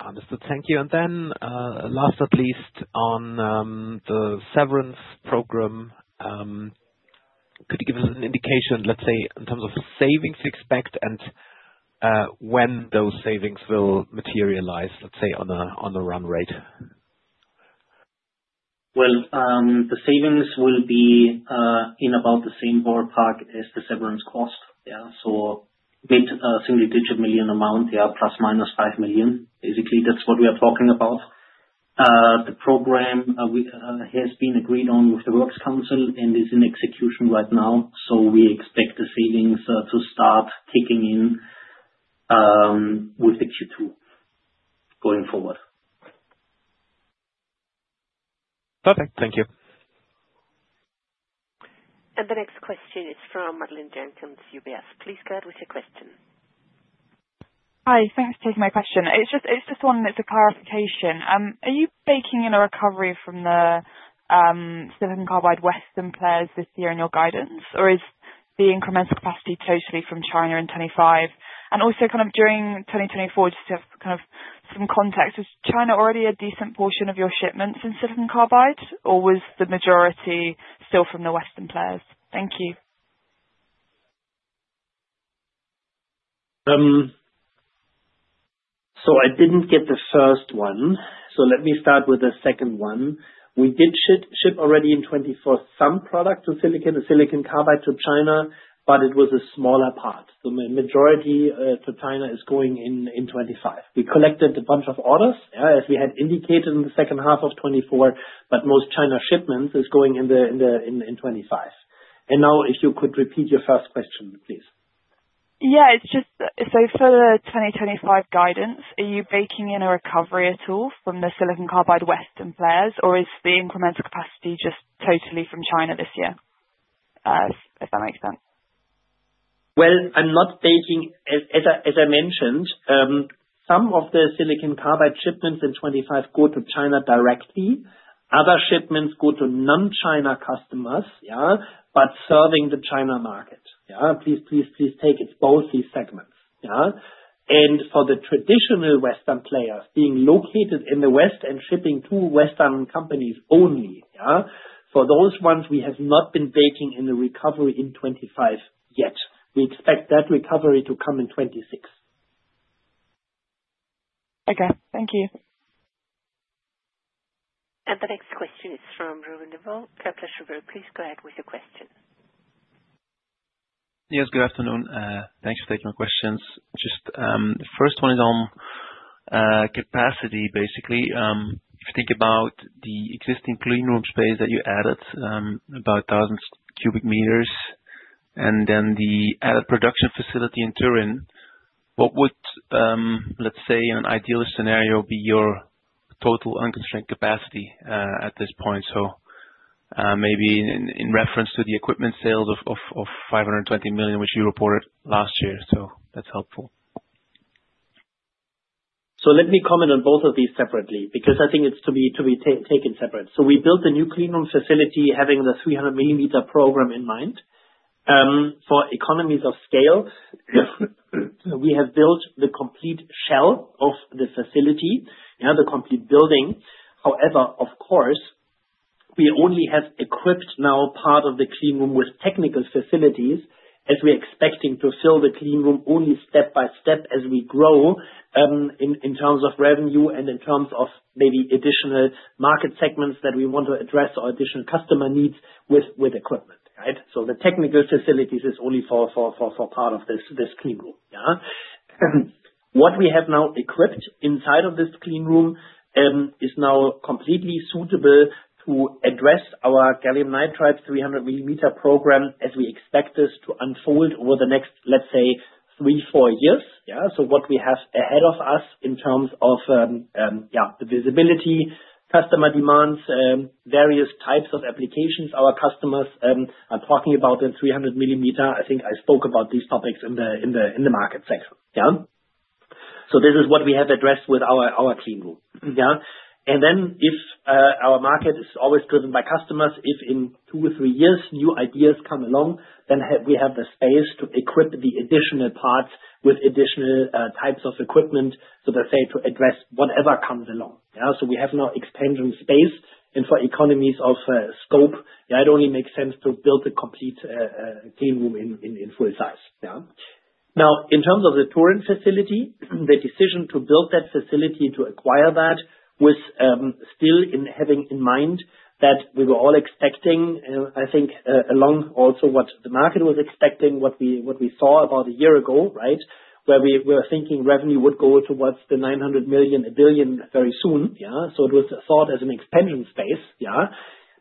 Understood. Thank you. And then last but not least, on the severance program, could you give us an indication, let's say, in terms of savings expected and when those savings will materialize, let's say, on the run rate? The savings will be in about the same ballpark as the severance cost. So mid-single-digit million amount, ±5 million. Basically, that's what we are talking about. The program has been agreed on with the works council and is in execution right now. We expect the savings to start kicking in with the Q2 going forward. Perfect. Thank you. The next question is from Madeleine Jenkins, UBS. Please go ahead with your question. Hi. Thanks for taking my question. It's just one that's a clarification. Are you baking in a recovery from the silicon carbide Western players this year in your guidance, or is the incremental capacity totally from China in 2025? And also kind of during 2024, just to have kind of some context, was China already a decent portion of your shipments in silicon carbide, or was the majority still from the Western players? Thank you. So I didn't get the first one. So let me start with the second one. We did ship already in 2024 some product to silicon carbide to China, but it was a smaller part. The majority to China is going in 2025. We collected a bunch of orders, as we had indicated in the second half of 2024, but most China shipments is going in 2025. And now, if you could repeat your first question, please. Yeah. So for the 2025 guidance, are you baking in a recovery at all from the silicon carbide Western players, or is the incremental capacity just totally from China this year, if that makes sense? Well, I'm not taking. As I mentioned, some of the silicon carbide shipments in 2025 go to China directly. Other shipments go to non-China customers, but serving the China market. Please, please, please take it both these segments. And for the traditional Western players being located in the West and shipping to Western companies only, for those ones, we have not been baking in the recovery in 2025 yet. We expect that recovery to come in 2026. Okay. Thank you. And the next question is from Ruben Devos, Kepler Cheuvreux. Please go ahead with your question. Yes. Good afternoon. Thanks for taking my questions. Just the first one is on capacity, basically. If you think about the existing cleanroom space that you added, about 1,000 cubic meters, and then the added production facility in Turin, what would, let's say, in an ideal scenario, be your total unconstrained capacity at this point? So maybe in reference to the equipment sales of 520 million, which you reported last year. So that's helpful. So let me comment on both of these separately because I think it's to be taken separate. So we built a new cleanroom facility having the 300 mm program in mind. For economies of scale, we have built the complete shell of the facility, the complete building. However, of course, we only have equipped now part of the cleanroom with technical facilities as we are expecting to fill the cleanroom only step by step as we grow in terms of revenue and in terms of maybe additional market segments that we want to address or additional customer needs with equipment, right? So the technical facilities is only for part of this cleanroom. What we have now equipped inside of this cleanroom is now completely suitable to address our gallium nitride 300 mm program as we expect this to unfold over the next, let's say, three, four years. So what we have ahead of us in terms of the visibility, customer demands, various types of applications our customers are talking about in 300 mm. I think I spoke about these topics in the market sector. So this is what we have addressed with our cleanroom. And then if our market is always driven by customers, if in two or three years new ideas come along, then we have the space to equip the additional parts with additional types of equipment, so to say, to address whatever comes along. So we have expansion space. And for economies of scope, it only makes sense to build a complete cleanroom in full size. Now, in terms of the Turin facility, the decision to build that facility, to acquire that, was still in having in mind that we were all expecting, I think, along also what the market was expecting, what we saw about a year ago, right, where we were thinking revenue would go towards the 900 million, a billion very soon, so it was thought as an expansion space.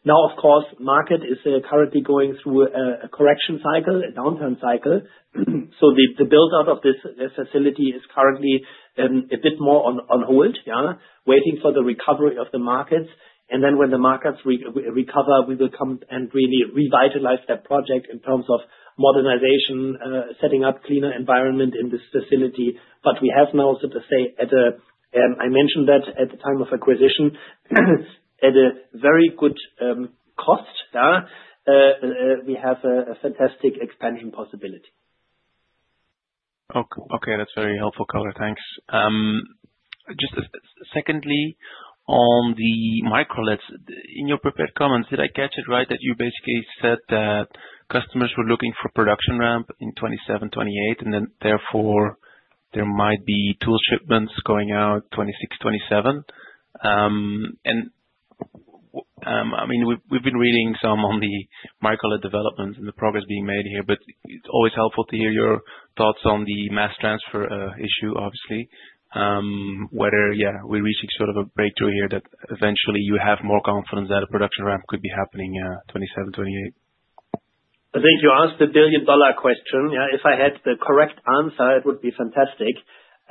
Now, of course, the market is currently going through a correction cycle, a downturn cycle, so the build-out of this facility is currently a bit more on hold, waiting for the recovery of the markets, and then when the markets recover, we will come and really revitalize that project in terms of modernization, setting up a cleaner environment in this facility. But we have now, so to say, I mentioned that at the time of acquisition, at a very good cost, we have a fantastic expansion possibility. Okay. That's very helpful, color. Thanks. Just secondly, on the micro-LEDs, in your prepared comments, did I catch it right that you basically said that customers were looking for production ramp in 2027, 2028, and then therefore there might be tool shipments going out 2026, 2027? And I mean, we've been reading some on the micro-LED developments and the progress being made here, but it's always helpful to hear your thoughts on the mass transfer issue, obviously, whether, yeah, we're reaching sort of a breakthrough here that eventually you have more confidence that a production ramp could be happening 2027, 2028. I think you asked the billion-dollar question. If I had the correct answer, it would be fantastic.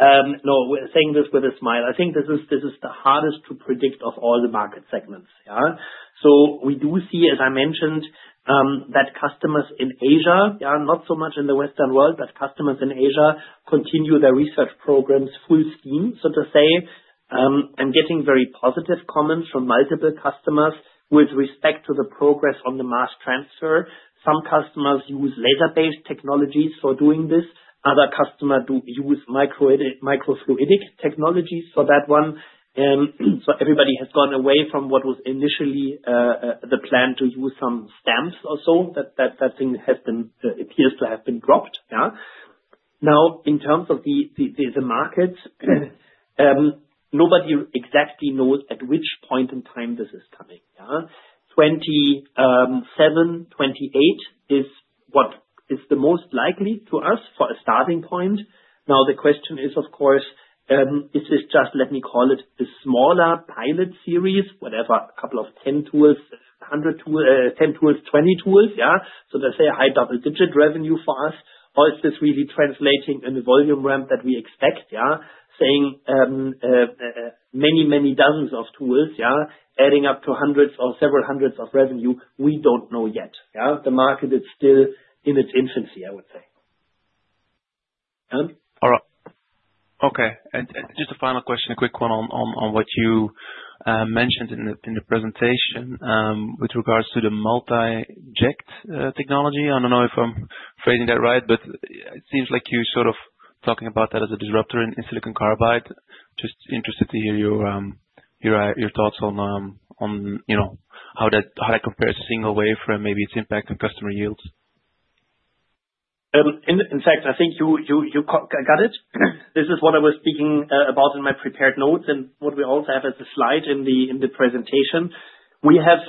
No, saying this with a smile, I think this is the hardest to predict of all the market segments. So we do see, as I mentioned, that customers in Asia, not so much in the Western world, but customers in Asia continue their research programs full steam. So to say, I'm getting very positive comments from multiple customers with respect to the progress on the mass transfer. Some customers use laser-based technologies for doing this. Other customers use microfluidic technologies for that one. So everybody has gone away from what was initially the plan to use some stamps or so. That thing appears to have been dropped. Now, in terms of the market, nobody exactly knows at which point in time this is coming. 2027, 2028 is what is the most likely to us for a starting point. Now, the question is, of course, is this just, let me call it, the smaller pilot series, whatever, a couple of 10 tools, 100 tools, 20 tools, so to say, a high double-digit revenue for us, or is this really translating in the volume ramp that we expect, saying many, many dozens of tools, adding up to hundreds or several hundreds of revenue? We don't know yet. The market is still in its infancy, I would say. All right. Okay. Just a final question, a quick one on what you mentioned in the presentation with regards to the multi-inject technology. I don't know if I'm phrasing that right, but it seems like you're sort of talking about that as a disruptor in silicon carbide. Just interested to hear your thoughts on how that compares single wafer and maybe its impact on customer yields. In fact, I think you got it. This is what I was speaking about in my prepared notes and what we also have as a slide in the presentation. We have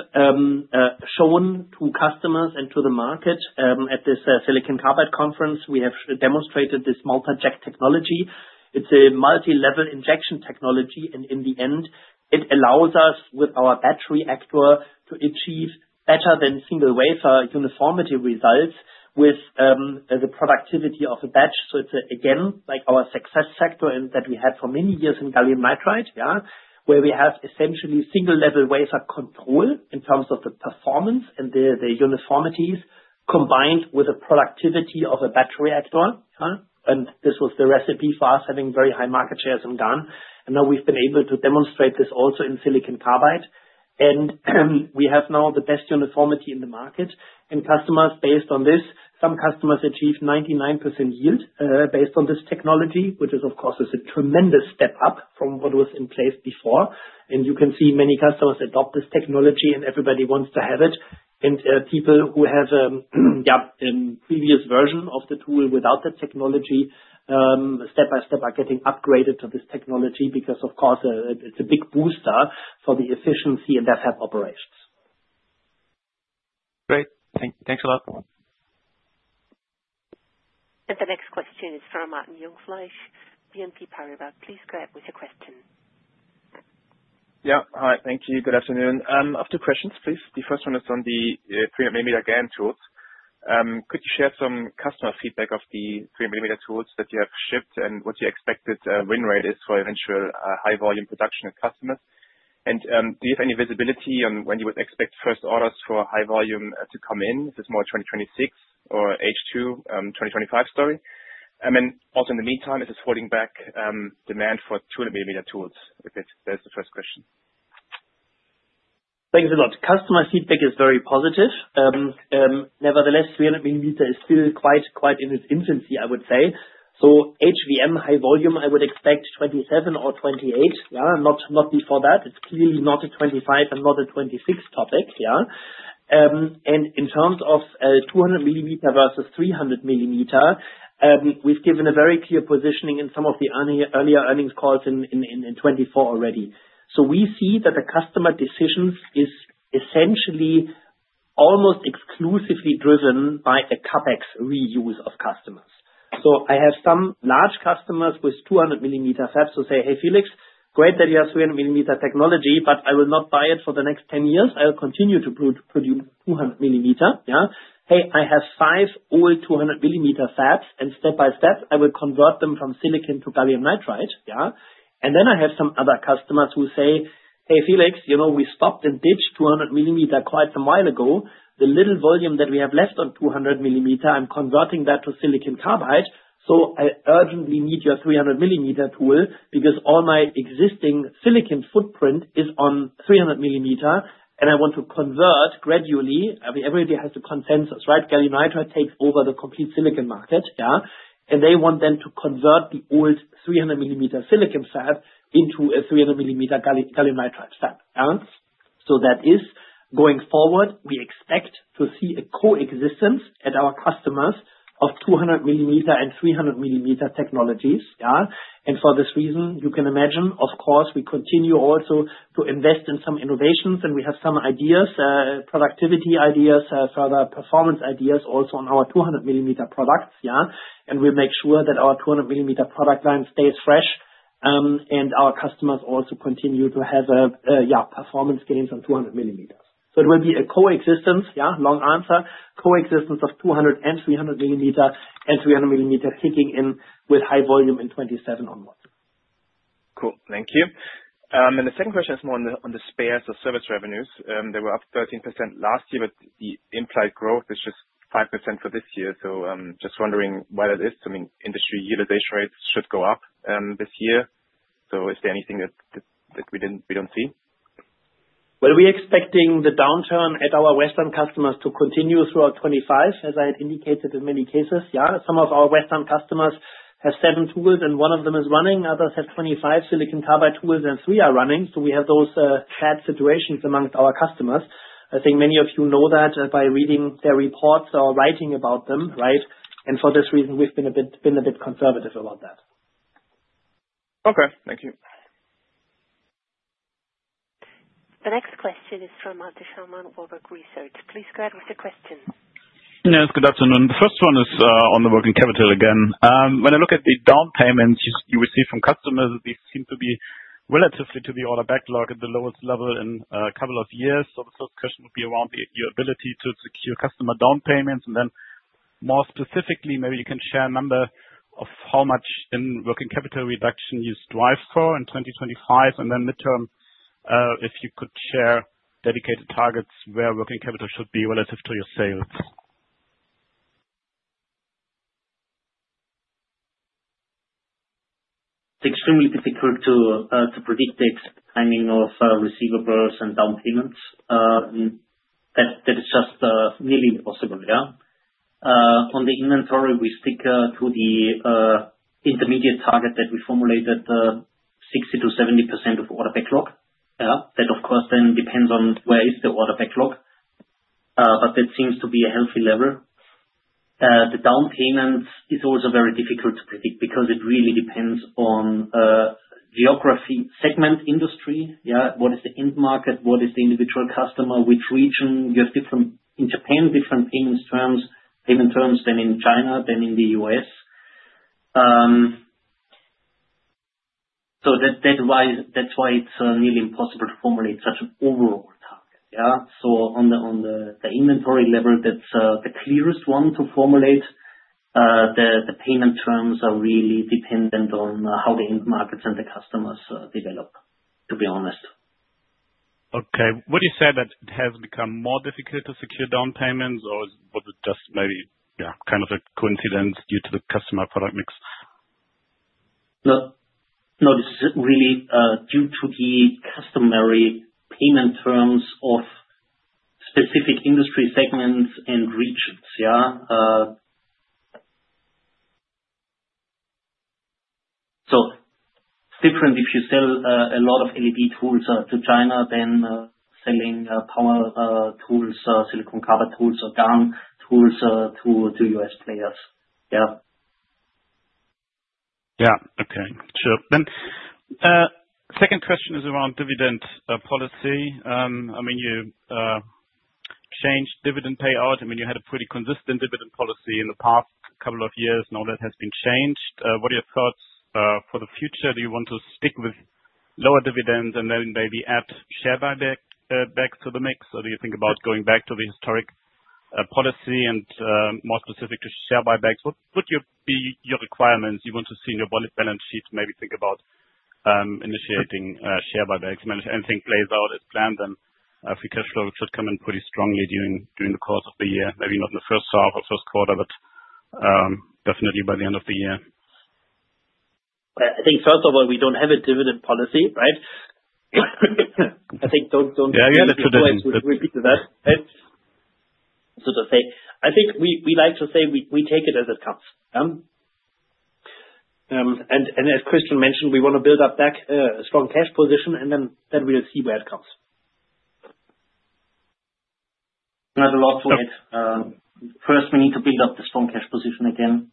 shown to customers and to the market at this silicon carbide conference. We have demonstrated this multi-inject technology. It's a multi-level injection technology, and in the end, it allows us with our batch reactor to achieve better than single-wafer uniformity results with the productivity of a batch. So it's, again, like our success factor that we had for many years in gallium nitride, where we have essentially single-wafer control in terms of the performance and the uniformities combined with the productivity of a batch reactor. And this was the recipe for us having very high market shares in GaN. And now we've been able to demonstrate this also in silicon carbide. And we have now the best uniformity in the market. Customers, based on this, some customers achieve 99% yield based on this technology, which is, of course, a tremendous step up from what was in place before. You can see many customers adopt this technology, and everybody wants to have it. People who have a previous version of the tool without the technology, step by step, are getting upgraded to this technology because, of course, it's a big booster for the efficiency and that's how operations. Great. Thanks a lot. The next question is from Martin Jungfleisch, BNP Paribas. Please go ahead with your question. Yeah. Hi. Thank you. Good afternoon. A few questions, please. The first one is on the 300 mm GaN tools. Could you share some customer feedback of the 300 mm tools that you have shipped and what you expected win rate is for eventual high-volume production and customers? Do you have any visibility on when you would expect first orders for high volume to come in? Is this more 2026 or H2 2025 story? And then also in the meantime, is it holding back demand for 200 mm tools? That's the first question. Thanks a lot. Customer feedback is very positive. Nevertheless, 300 mm is still quite in its infancy, I would say. So HVM, high volume, I would expect 2027 or 2028, not before that. It's clearly not a 2025 and not a 2026 topic. And in terms of 200 mm versus 300 mm, we've given a very clear positioning in some of the earlier earnings calls in 2024 already. So we see that the customer decisions is essentially almost exclusively driven by a CapEx reuse of customers. So I have some large customers with 200 mm fabs who say, "Hey, Felix, great that you have 300 mm technology, but I will not buy it for the next 10 years. I will continue to produce 200 mm." Hey, I have five old 200 mm fabs, and step by step, I will convert them from silicon to gallium nitride. And then I have some other customers who say, "Hey, Felix, we stopped and ditched 200 mm quite some while ago. The little volume that we have left on 200 mm, I'm converting that to silicon carbide. So I urgently need your 300 mm tool because all my existing silicon footprint is on 300 mm, and I want to convert gradually." Everybody has to consensus, right? Gallium nitride takes over the complete silicon market. And they want them to convert the old 300 mm silicon fab into a 300 mm gallium nitride fab. So that is going forward. We expect to see a coexistence at our customers of 200 mm and 300 mm technologies. For this reason, you can imagine, of course, we continue also to invest in some innovations, and we have some ideas, productivity ideas, further performance ideas also on our 200 mm products. We make sure that our 200 mm product line stays fresh, and our customers also continue to have performance gains on 200 mm. It will be a coexistence, long answer, coexistence of 200 and 300 mm and 300 mm hitting in with high volume in 2027 onwards. Cool. Thank you. The second question is more on the spares or service revenues. They were up 13% last year, but the implied growth is just 5% for this year. Just wondering why that is. I mean, industry utilization rates should go up this year. Is there anything that we don't see? We are expecting the downturn at our Western customers to continue throughout 2025, as I had indicated in many cases. Some of our Western customers have seven tools, and one of them is running. Others have 25 silicon carbide tools, and three are running. So we have those bad situations amongst our customers. I think many of you know that by reading their reports or writing about them, right? And for this reason, we've been a bit conservative about that. Okay. Thank you. The next question is from Malte Schaumann of Warburg Research. Please go ahead with your question. Yes. Good afternoon. The first one is on the working capital again. When I look at the down payments you receive from customers, these seem to be relatively to the order backlog at the lowest level in a couple of years. The first question would be around your ability to secure customer down payments. And then more specifically, maybe you can share a number of how much in working capital reduction you strive for in 2025. And then midterm, if you could share dedicated targets where working capital should be relative to your sales. Extremely difficult to predict the timing of receivables and down payments. That is just nearly impossible. On the inventory, we stick to the intermediate target that we formulated, 60%-70% of order backlog. That, of course, then depends on where is the order backlog, but that seems to be a healthy level. The down payment is also very difficult to predict because it really depends on geography, segment, industry. What is the end market? What is the individual customer? Which region? You have different in Japan, different payment terms than in China, than in the U.S. So that's why it's nearly impossible to formulate such an overall target. So on the inventory level, that's the clearest one to formulate. The payment terms are really dependent on how the end markets and the customers develop, to be honest. Okay. Would you say that it has become more difficult to secure down payments, or was it just maybe kind of a coincidence due to the customer product mix? No. This is really due to the customary payment terms of specific industry segments and regions. So different if you sell a lot of LED tools to China than selling power tools, silicon carbide tools, or GaN tools to U.S. players. Yeah. Yeah. Okay. Sure. Then the second question is around dividend policy. I mean, you changed dividend payout. I mean, you had a pretty consistent dividend policy in the past couple of years, and all that has been changed. What are your thoughts for the future? Do you want to stick with lower dividends and then maybe add share buybacks to the mix, or do you think about going back to the historic policy and more specific to share buybacks? What would be your requirements you want to see in your balance sheet to maybe think about initiating share buybacks? I mean, if anything plays out as planned, then free cash flow should come in pretty strongly during the course of the year, maybe not in the first half or first quarter, but definitely by the end of the year. I think, first of all, we don't have a dividend policy, right? I think don't. Yeah, yeah. That's a good point. We repeated that, right? So, to say, I think we like to say we take it as it comes. And as Christian mentioned, we want to build up that strong cash position, and then we'll see where it comes. Not a lot to add. First, we need to build up the strong cash position again.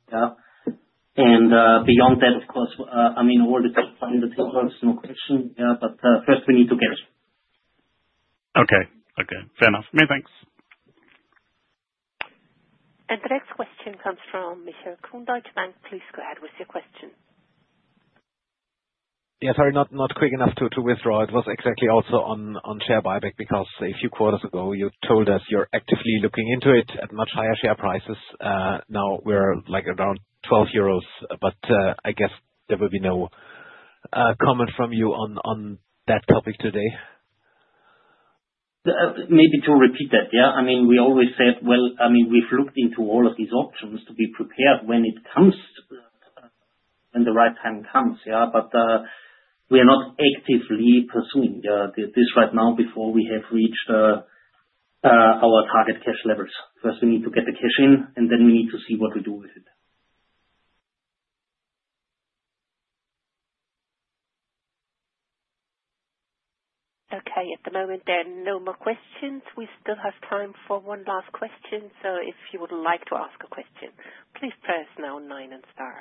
And beyond that, of course, I mean, all the time, the takeout is no question. But first, we need to get it. Okay. Okay. Fair enough. Many thanks. And the next question comes from Mr. Michael Kuhn. Please go ahead with your question. Yeah. Sorry, not quick enough to withdraw. It was exactly also on share buyback because a few quarters ago, you told us you're actively looking into it at much higher share prices. Now we're around 12 euros, but I guess there will be no comment from you on that topic today. Maybe to repeat that, yeah? I mean, we always said, well, I mean, we've looked into all of these options to be prepared when it comes, when the right time comes. But we are not actively pursuing this right now before we have reached our target cash levels. First, we need to get the cash in, and then we need to see what we do with it. Okay. At the moment, there are no more questions. We still have time for one last question. So if you would like to ask a question, please press number nine and star.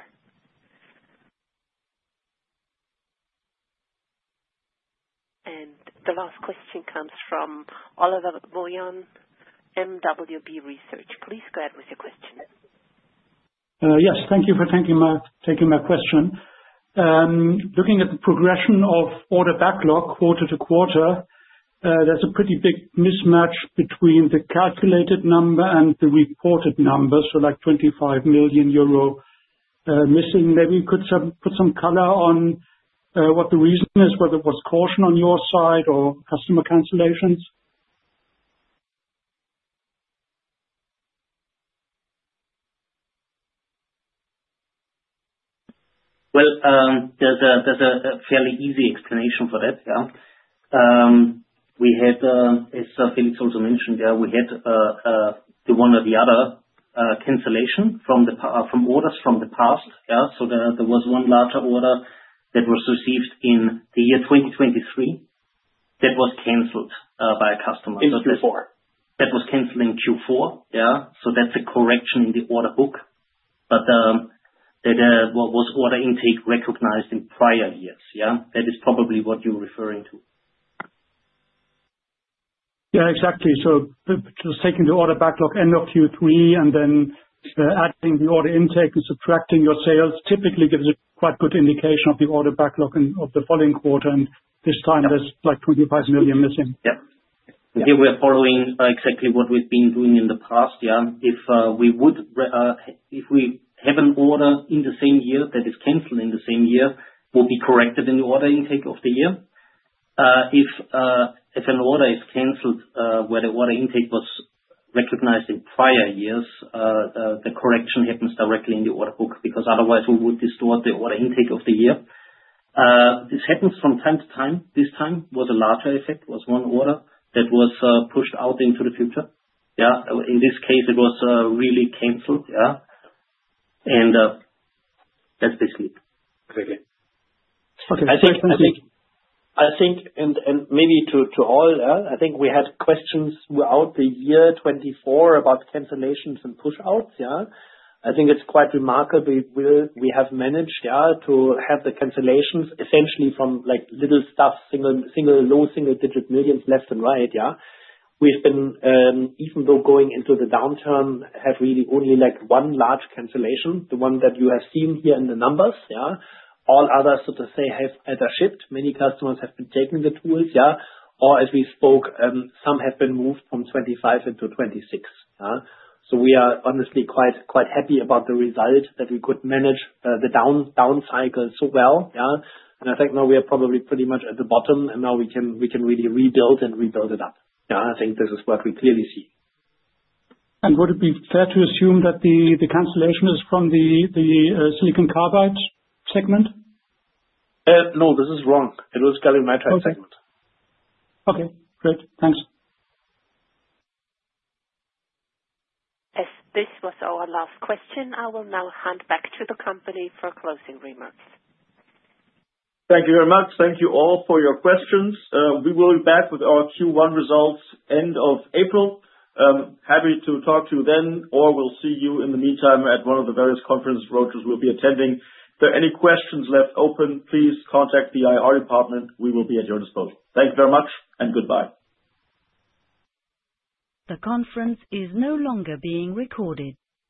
And the last question comes from Oliver Wojahn, mwb research. Please go ahead with your question. Yes. Thank you for taking my question. Looking at the progression of order backlog quarter to quarter, there's a pretty big mismatch between the calculated number and the reported number. So like 25 million euro missing. Maybe you could put some color on what the reason is, whether it was caution on your side or customer cancellations. There's a fairly easy explanation for that. We had, as Felix also mentioned, we had the one or the other cancellation from orders from the past. So there was one larger order that was received in the year 2023 that was canceled by a customer. This is Q4. That was canceling Q4. So that's a correction in the order book. But that was order intake recognized in prior years. That is probably what you're referring to. Yeah, exactly. So just taking the order backlog end of Q3 and then adding the order intake and subtracting your sales typically gives a quite good indication of the order backlog of the following quarter. And this time, there's like 25 million missing. Yeah. Here we are following exactly what we've been doing in the past. If we have an order in the same year that is canceled in the same year, we'll be corrected in the order intake of the year. If an order is canceled where the order intake was recognized in prior years, the correction happens directly in the order book because otherwise, we would distort the order intake of the year. This happens from time to time. This time was a larger effect. It was one order that was pushed out into the future. In this case, it was really canceled. That's basically it. Okay. Okay. Thanks. Maybe to all, I think we had questions throughout the year 2024 about cancellations and push-outs. I think it's quite remarkable we have managed to have the cancellations essentially from little stuff, low single-digit millions left and right. We've been, even though going into the downturn, have really only one large cancellation, the one that you have seen here in the numbers. All others, so to say, have either shipped. Many customers have been taking the tools. Or as we spoke, some have been moved from 2025-2026. So we are honestly quite happy about the result that we could manage the down cycle so well. And I think now we are probably pretty much at the bottom, and now we can really rebuild and rebuild it up. I think this is what we clearly see. And would it be fair to assume that the cancellation is from the silicon carbide segment? No, this is wrong. It was gallium nitride segment. Okay. Okay. Great. Thanks. As this was our last question, I will now hand back to the company for closing remarks. Thank you very much. Thank you all for your questions. We will be back with our Q1 results end of April. Happy to talk to you then, or we'll see you in the meantime at one of the various conferences roadshows will be attending. If there are any questions left open, please contact the IR department. We will be at your disposal. Thank you very much, and goodbye. The conference is no longer being recorded.